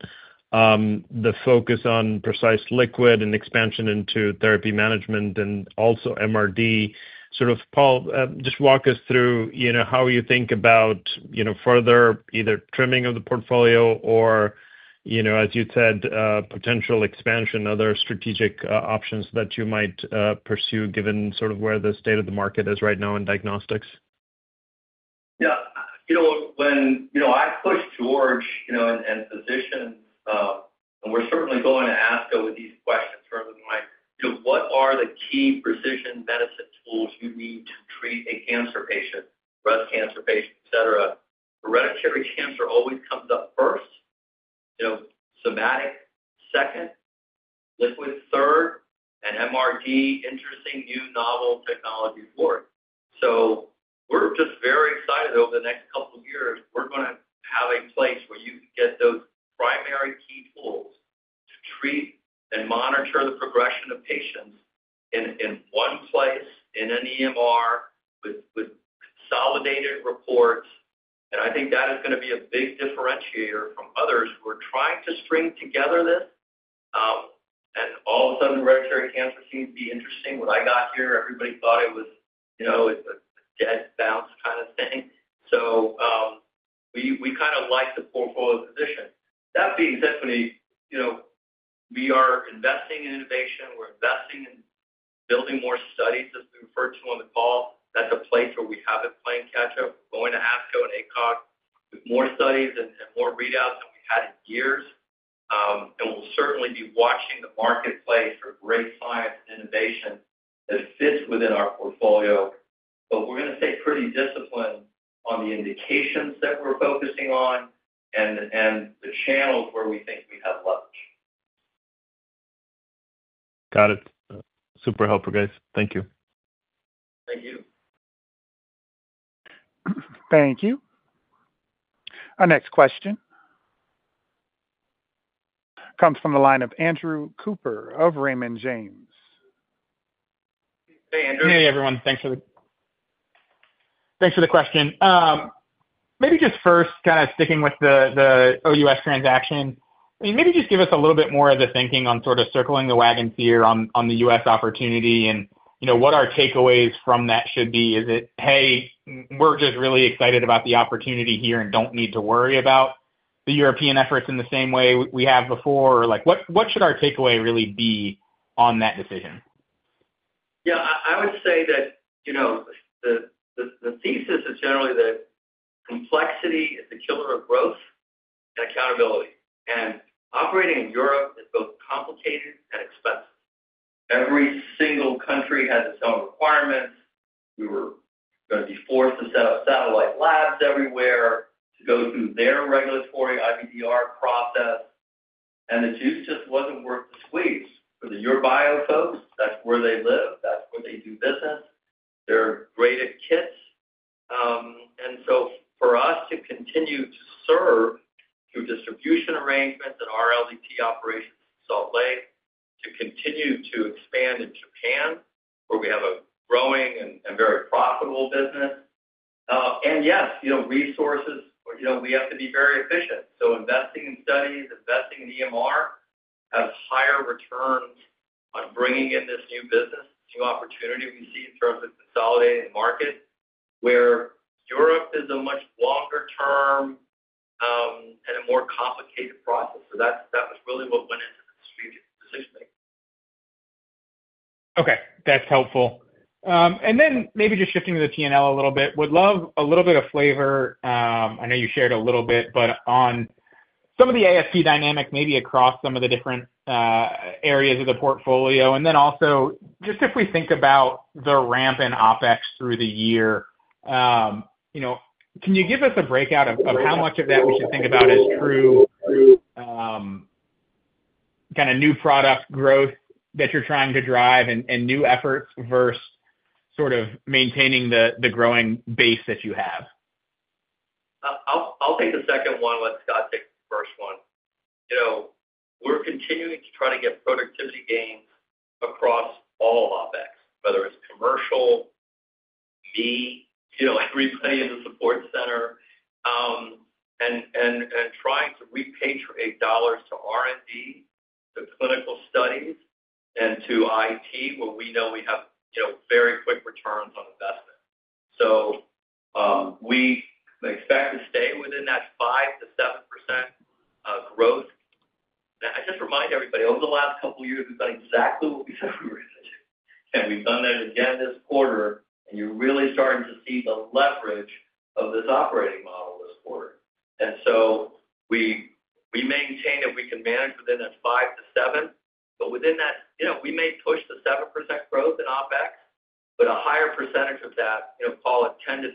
the focus on Precise Liquid and expansion into therapy management and also MRD, sort of, Paul, just walk us through how you think about further either trimming of the portfolio or, as you'd said, potential expansion, other strategic options that you might pursue given sort of where the state of the market is right now in diagnostics? Yeah. When I push George and physicians and we're certainly going to ask over these questions further like what are the key precision medicine tools you need to treat a cancer patient, breast cancer patient, etc.? Hereditary cancer always comes up first, somatic second, Liquid third, and MRD, interesting new novel technology fourth. So we're just very excited over the next couple of years. We're going to have a place where you can get those primary key tools to treat and monitor the progression of patients in one place in an EMR with consolidated reports. And I think that is going to be a big differentiator from others. We're trying to string together this. And all of a sudden, hereditary cancer seems to be interesting. What I got here, everybody thought it was a dead bounce kind of thing. So we kind of like the portfolio position. That being said, Puneet, we are investing in innovation. We're investing in building more studies, as we referred to on the call. That's a place where we haven't played catch-up. We're going to ASCO and ACOG with more studies and more readouts than we've had in years. We'll certainly be watching the marketplace for great science and innovation that fits within our portfolio. But we're going to stay pretty disciplined on the indications that we're focusing on and the channels where we think we have leverage. Got it. Super helpful, guys. Thank you. Thank you. Thank you. Our next question comes from the line of Andrew Cooper of Raymond James. Hey, Andrew. Hey, everyone. Thanks for the question. Maybe just first, kind of sticking with the OUS transaction, I mean, maybe just give us a little bit more of the thinking on sort of circling the wagons for the U.S. opportunity. What our takeaways from that should be? Is it, "Hey, we're just really excited about the opportunity here and don't need to worry about the European efforts in the same way we have before"? Or what should our takeaway really be on that decision? Yeah, I would say that the thesis is generally that complexity is the killer of growth and accountability. And operating in Europe is both complicated and expensive. Every single country has its own requirements. We were going to be forced to set up satellite labs everywhere to go through their regulatory IVDR process. And the juice just wasn't worth the squeeze. For the Eurobio folks, that's where they live. That's where they do business. They're great at kits. And so for us to continue to serve through distribution arrangements and our LDT operations in Salt Lake, to continue to expand in Japan, where we have a growing and very profitable business. And yes, resources, we have to be very efficient. So investing in studies, investing in EMR has higher returns on bringing in this new business, this new opportunity we see in terms of consolidating the market, where Europe is a much longer-term and a more complicated process. So that was really what went into the strategic decision-making. Okay. That's helpful. Then maybe just shifting to the P&L a little bit, would love a little bit of flavor. I know you shared a little bit, but on some of the ASP dynamic, maybe across some of the different areas of the portfolio. Then also, just if we think about the ramp in OpEx through the year, can you give us a breakout of how much of that we should think about as true kind of new product growth that you're trying to drive and new efforts versus sort of maintaining the growing base that you have? I'll take the second one when Scott takes the first one. We're continuing to try to get productivity gains across all OpEx, whether it's commercial, me, everybody in the support center, and trying to repatriate dollars to R&D, to clinical studies, and to IT where we know we have very quick returns on investment. So we expect to stay within that 5%-7% growth. I just remind everybody, over the last couple of years, we've done exactly what we said we were going to do. And we've done that again this quarter. And you're really starting to see the leverage of this operating model this quarter. And so we maintain that we can manage within that 5%-7%. But within that, we may push the 7% growth in OpEx, but a higher percentage of that, call it 10%-15%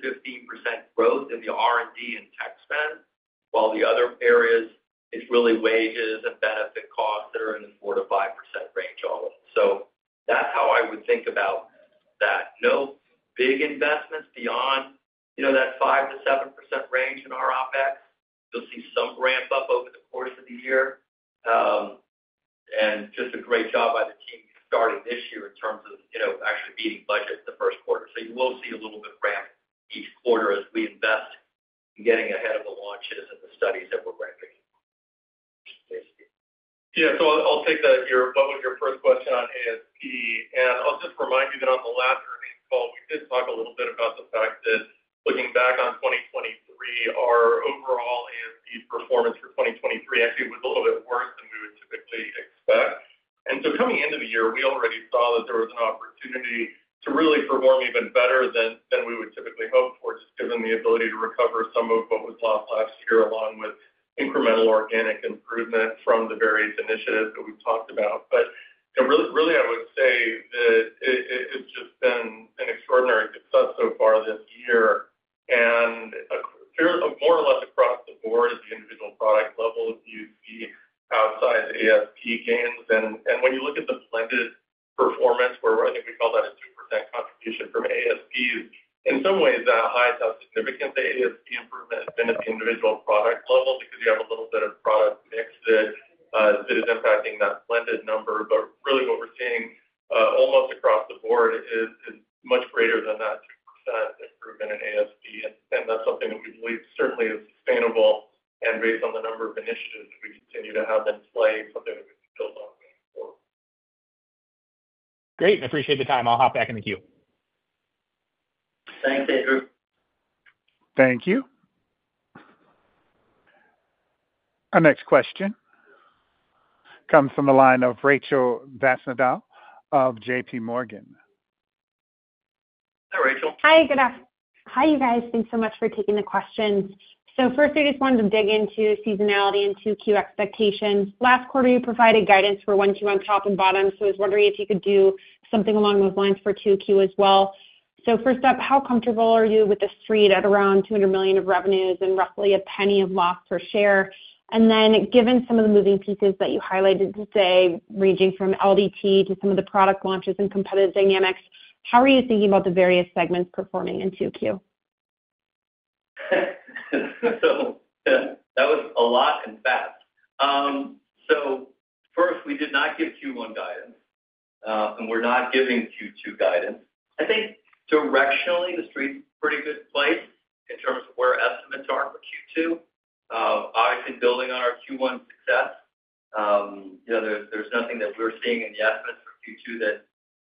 growth in the R&D and tech spend, while the other areas, it's really wages and benefit costs that are in the 4%-5% range all of it. So that's how I would think about that. No big investments beyond that 5%-7% range in our OpEx. You'll see some ramp up over the course of the year. Just a great job by the team starting this year in terms of actually beating budget the first quarter. So you will see a little bit ramp each quarter as we invest in getting ahead of the launches and the studies that we're ramping up. Yeah. So I'll take what was your first question on ASP. I'll just remind you that on the last earnings call, we did talk a little bit about the fact that looking back on 2023, our overall ASP performance for 2023 actually was a little bit worse than we would typically expect. So coming into the year, we already saw that there was an opportunity to really perform even better than we would typically hope for, just given the ability to recover some of what was lost last year, along with incremental organic improvement from the various initiatives that we've talked about. Really, I would say that it's just been an extraordinary success so far this year. More or less across the board at the individual product level, you see outside the ASP gains. When you look at the blended performance, where I think we call that a 2% contribution from ASPs, in some ways, that high is how significant the ASP improvement has been at the individual product level because you have a little bit of product mix that is impacting that blended number. But really, what we're seeing almost across the board is much greater than that 2% improvement in ASP. That's something that we believe certainly is sustainable. Based on the number of initiatives that we continue to have in play, something that we can build on going forward. Great. I appreciate the time. I'll hop back in the queue. Thanks, Andrew. Thank you. Our next question comes from the line of Rachel Vatnsdal JPMorgan. Hi, Rachel. Hi. Good afternoon. Hi, you guys. Thanks so much for taking the questions. First, I just wanted to dig into seasonality and 2Q expectations. Last quarter, you provided guidance for 1Q on top and bottom. I was wondering if you could do something along those lines for 2Q as well. First up, how comfortable are you with a street at around $200 million of revenues and roughly $0.01 loss per share? Then given some of the moving pieces that you highlighted today, ranging from LDT to some of the product launches and competitive dynamics, how are you thinking about the various segments performing in 2Q? So yeah, that was a lot and fast. So first, we did not give Q1 guidance. And we're not giving Q2 guidance. I think directionally, the street's a pretty good place in terms of where estimates are for Q2. Obviously, building on our Q1 success, there's nothing that we're seeing in the estimates for Q2 that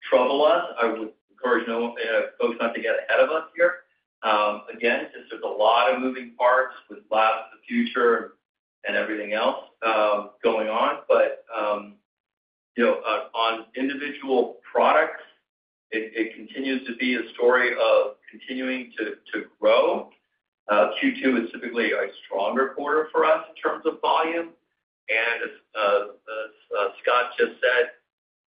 trouble us. I would encourage folks not to get ahead of us here. Again, just there's a lot of moving parts with Labs of the Future and everything else going on. But on individual products, it continues to be a story of continuing to grow. Q2 is typically a stronger quarter for us in terms of volume. And as Scott just said,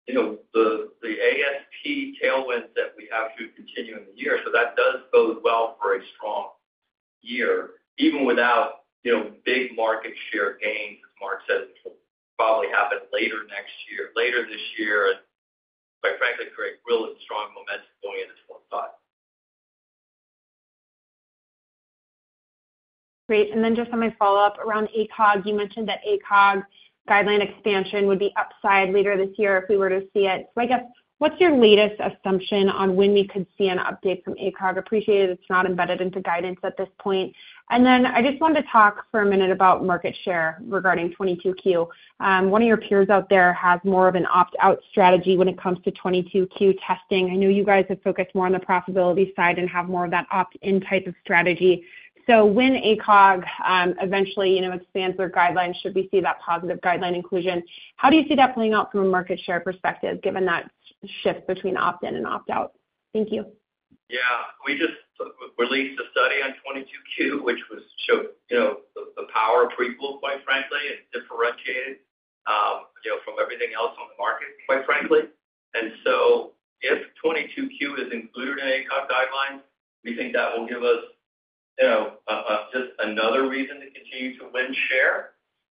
the ASP tailwinds that we have should continue in the year. So that does bode well for a strong year, even without big market share gains, as Mark said, which will probably happen later this year. And quite frankly, create real strong momentum going into 2025. Great. And then just on my follow-up around ACOG, you mentioned that ACOG guideline expansion would be upside later this year if we were to see it. So I guess, what's your latest assumption on when we could see an update from ACOG? Appreciate it. It's not embedded into guidance at this point. And then I just wanted to talk for a minute about market share regarding 22q. One of your peers out there has more of an opt-out strategy when it comes to 22q testing. I know you guys have focused more on the profitability side and have more of that opt-in type of strategy. So when ACOG eventually expands their guidelines, should we see that positive guideline inclusion? How do you see that playing out from a market share perspective, given that shift between opt-in and opt-out? Thank you. Yeah. We just released a study on 22q, which showed the power of Prequel, quite frankly, and differentiated from everything else on the market, quite frankly. And so if 22q is included in ACOG guidelines, we think that will give us just another reason to continue to win share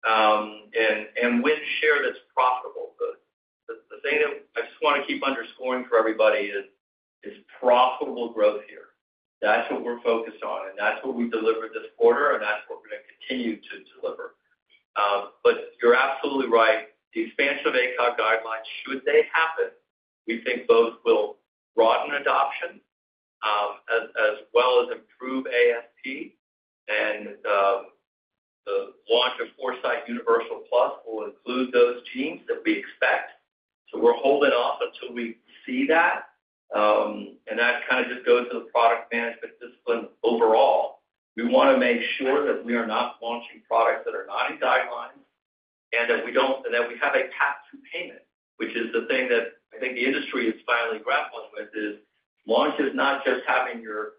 and win share that's profitable. The thing that I just want to keep underscoring for everybody is profitable growth here. That's what we're focused on. And that's what we delivered this quarter. And that's what we're going to continue to deliver. But you're absolutely right. The expansion of ACOG guidelines, should they happen, we think both will broaden adoption as well as improve ASP. And the launch of Foresight Universal Plus will include those genes that we expect. So we're holding off until we see that. And that kind of just goes to the product management discipline overall. We want to make sure that we are not launching products that are not in guidelines and that we have a path to payment, which is the thing that I think the industry is finally grappling with. Launch is not just having your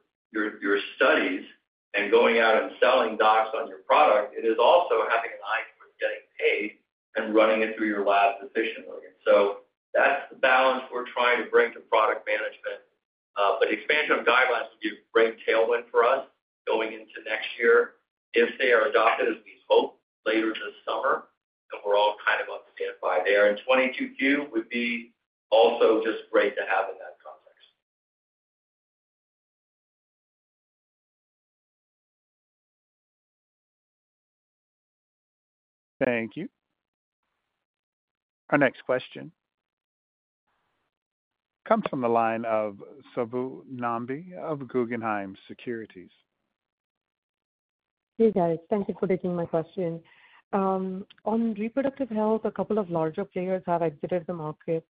studies and going out and selling docs on your product. It is also having an eye towards getting paid and running it through your labs efficiently. So that's the balance we're trying to bring to product management. Expansion of guidelines will be a great tailwind for us going into next year if they are adopted, as we hope, later this summer. We're all kind of on standby there. 22Q would be also just great to have in that context. Thank you. Our next question comes from the line of Subbu Nambi of Guggenheim Securities. Hey, guys. Thank you for taking my question. On reproductive health, a couple of larger players have exited the market.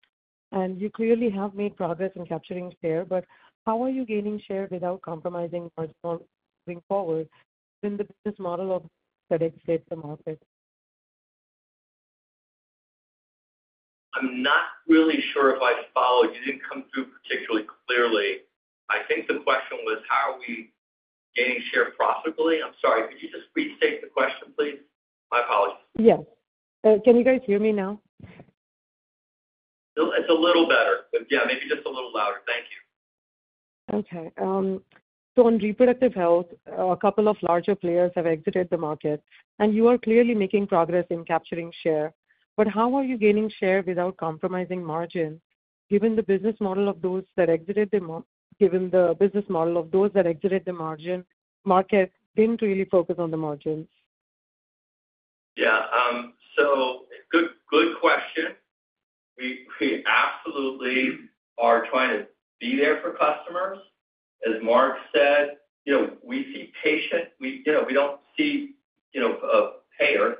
You clearly have made progress in capturing share. But how are you gaining share without compromising margins moving forward in the business model of leading the market? I'm not really sure if I followed. You didn't come through particularly clearly. I think the question was, how are we gaining share profitably? I'm sorry. Could you just restate the question, please? My apologies. Yes. Can you guys hear me now? It's a little better. But yeah, maybe just a little louder. Thank you. Okay. On reproductive health, a couple of larger players have exited the market. You are clearly making progress in capturing share. How are you gaining share without compromising margins, given the business model of those that exited the margin market didn't really focus on the margins? Yeah. So, good question. We absolutely are trying to be there for customers. As Mark said, we see patients. We don't see a payer.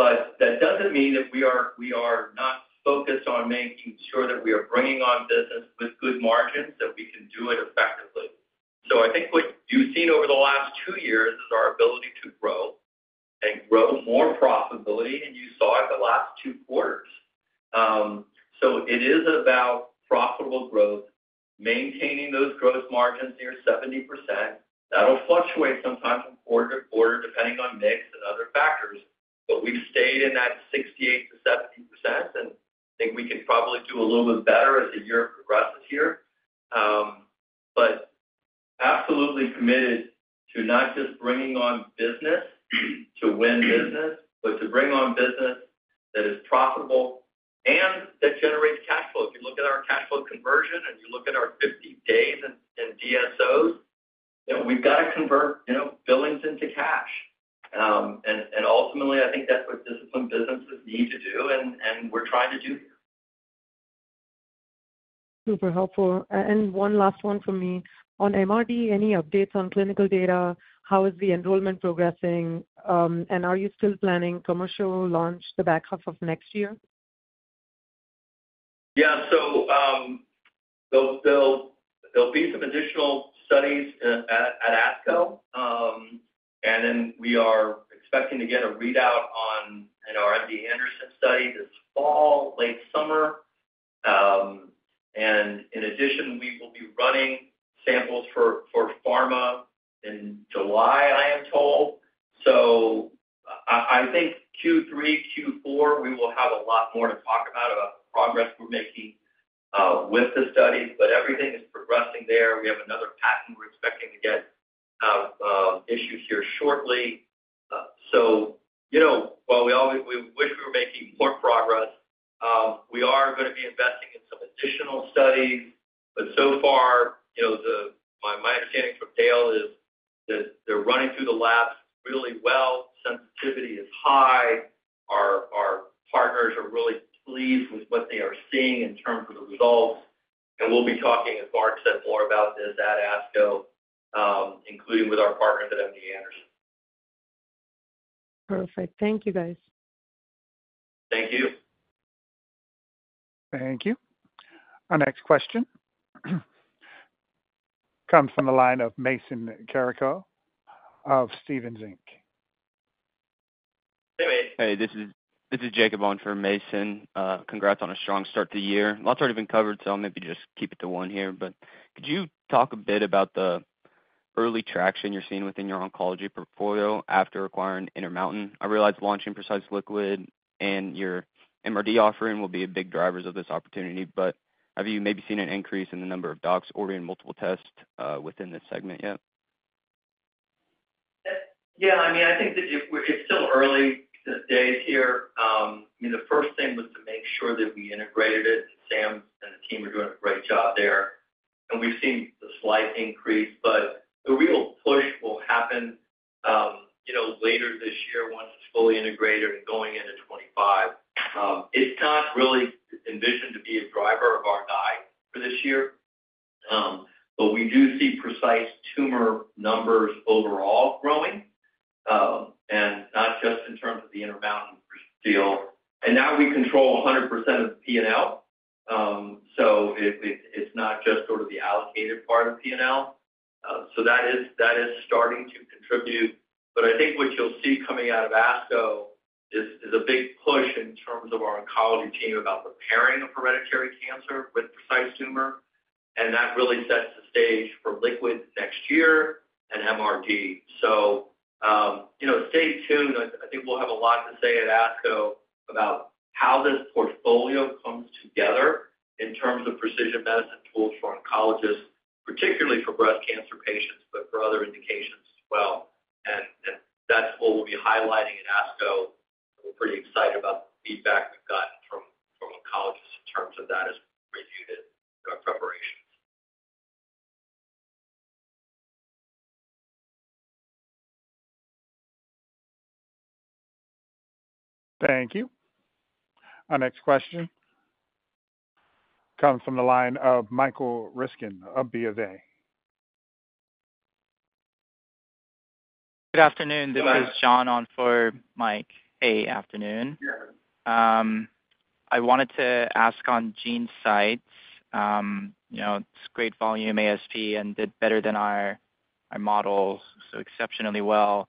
But that doesn't mean that we are not focused on making sure that we are bringing on business with good margins, that we can do it effectively. So, I think what you've seen over the last two years is our ability to grow and grow more profitability. And you saw it the last two quarters. So, it is about profitable growth, maintaining those gross margins near 70%. That'll fluctuate sometimes from quarter to quarter, depending on mix and other factors. But we've stayed in that 68%-70%. And I think we can probably do a little bit better as the year progresses here. Absolutely committed to not just bringing on business to win business, but to bring on business that is profitable and that generates cash flow. If you look at our cash flow conversion and you look at our 50 days in DSOs, we've got to convert billings into cash. And ultimately, I think that's what disciplined businesses need to do. And we're trying to do here. Super helpful. And one last one from me. On MRD, any updates on clinical data? How is the enrollment progressing? And are you still planning commercial launch the back half of next year? Yeah. So there'll be some additional studies at ASCO. And then we are expecting to get a readout on our MD Anderson study this fall, late summer. And in addition, we will be running samples for pharma in July, I am told. So I think Q3, Q4, we will have a lot more to talk about, about the progress we're making with the studies. But everything is progressing there. We have another patent. We're expecting to get issued here shortly. So while we wish we were making more progress, we are going to be investing in some additional studies. But so far, my understanding from Dale is that they're running through the labs really well. Sensitivity is high. Our partners are really pleased with what they are seeing in terms of the results. We'll be talking, as Mark said, more about this at ASCO, including with our partners at MD Anderson. Perfect. Thank you, guys. Thank you. Thank you. Our next question comes from the line of Mason Carrico of Stephens Inc. Hey, mate. Hey. This is Jacob on for Mason. Congrats on a strong start to the year. Lots already been covered, so I'll maybe just keep it to one here. But could you talk a bit about the early traction you're seeing within your oncology portfolio after acquiring Intermountain? I realize launching Precise Liquid and your MRD offering will be big drivers of this opportunity. But have you maybe seen an increase in the number of docs ordering multiple tests within this segment yet? Yeah. I mean, I think that it's still early days here. I mean, the first thing was to make sure that we integrated it. Sam and the team are doing a great job there. We've seen the slight increase. But the real push will happen later this year once it's fully integrated and going into 2025. It's not really envisioned to be a driver of our guide for this year. But we do see Precise Tumor numbers overall growing, and not just in terms of the Intermountain's deal. Now we control 100% of the P&L. So it's not just sort of the allocated part of P&L. So that is starting to contribute. But I think what you'll see coming out of ASCO is a big push in terms of our oncology team about the pairing of hereditary cancer with Precise Tumor. That really sets the stage for Liquid next year and MRD. So stay tuned. I think we'll have a lot to say at ASCO about how this portfolio comes together in terms of precision medicine tools for oncologists, particularly for breast cancer patients, but for other indications as well. That's what we'll be highlighting at ASCO. We're pretty excited about the feedback we've gotten from oncologists in terms of that as we reviewed it in our preparations. Thank you. Our next question comes from the line of Michael Ryskin of BofA. Good afternoon. This is John on for Mike. Hey, afternoon. I wanted to ask on GeneSight. It's great volume, ASP, and did better than our model, so exceptionally well.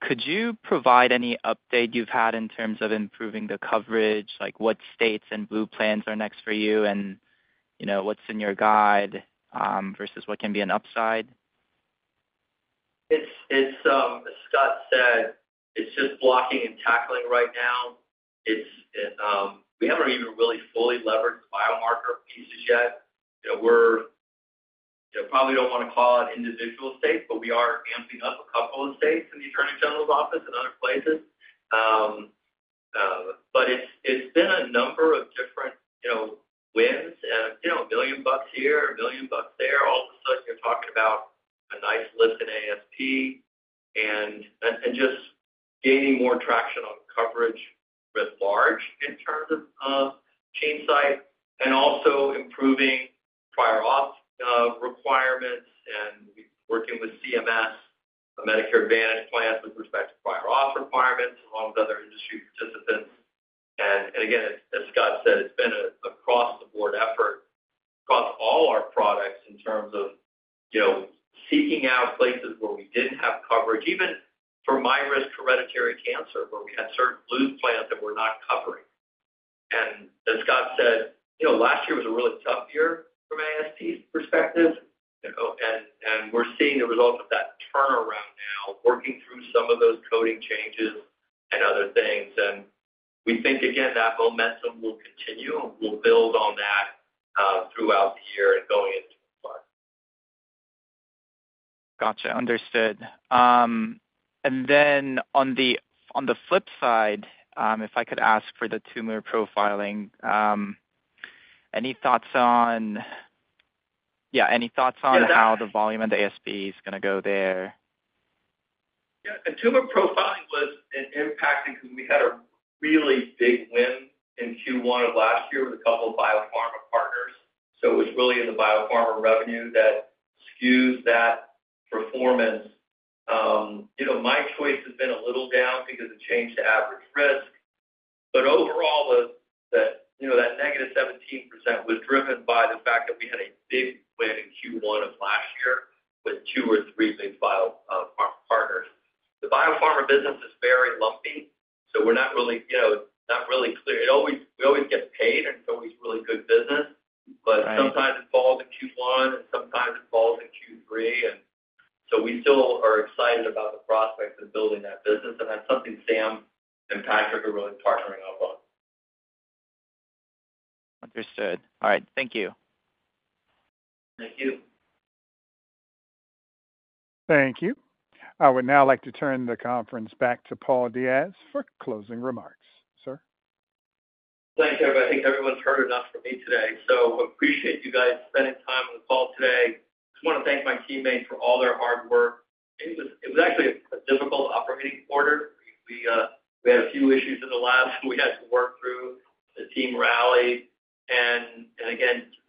Could you provide any update you've had in terms of improving the coverage, like what states and Blue plans are next for you and what's in your guide versus what can be an upside? As Scott said, it's just blocking and tackling right now. We haven't even really fully leveraged the biomarker pieces yet. We probably don't want to call it individual states, but we are amping up a couple of states in the Attorney General's office and other places. But it's been a number of different wins. And $1 million here, $1 million there. All of a sudden, you're talking about a nice lift in ASP and just gaining more traction on coverage writ large in terms of GeneSight and also improving prior auth requirements. And we've been working with CMS, a Medicare Advantage plan with respect to prior auth requirements along with other industry participants. And again, as Scott said, it's been an across-the-board effort across all our products in terms of seeking out places where we didn't have coverage, even for MyRisk Hereditary Cancer where we had certain Blue plans that we're not covering. And as Scott said, last year was a really tough year from ASP's perspective. And we're seeing the results of that turnaround now, working through some of those coding changes and other things. And we think, again, that momentum will continue. And we'll build on that throughout the year and going into 2025. Gotcha. Understood. And then, on the flip side, if I could ask for the tumor profiling, any thoughts on how the volume and the ASP is going to go there? Yeah. And tumor profiling was an impact because we had a really big win in Q1 of last year with a couple of biopharma partners. So it was really in the biopharma revenue that skews that performance. MyRisk has been a little down because it changed the average risk. But overall, that negative 17% was driven by the fact that we had a big win in Q1 of last year with two or three big biopharma partners. The biopharma business is very lumpy. So we're not really clear. We always get paid. And it's always really good business. But sometimes it falls in Q1. And sometimes it falls in Q3. And so we still are excited about the prospects of building that business. And that's something Sam and Patrick are really partnering up on. Understood. All right. Thank you. Thank you. Thank you. I would now like to turn the conference back to Paul Diaz for closing remarks. Sir? Thank you. I think everyone's heard enough from me today. I appreciate you guys spending time on the call today. I just want to thank my teammates for all their hard work. It was actually a difficult operating quarter. We had a few issues in the labs that we had to work through. The team rallied.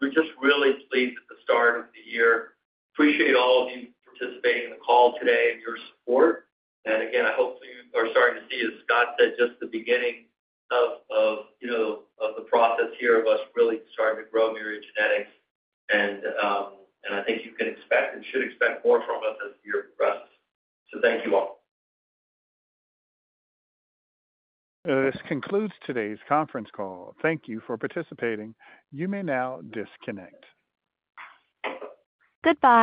We're just really pleased at the start of the year. Appreciate all of you participating in the call today and your support. I hope you are starting to see, as Scott said, just the beginning of the process here of us really starting to grow Myriad Genetics. I think you can expect and should expect more from us as the year progresses. Thank you all. This concludes today's conference call. Thank you for participating. You may now disconnect. Thank you.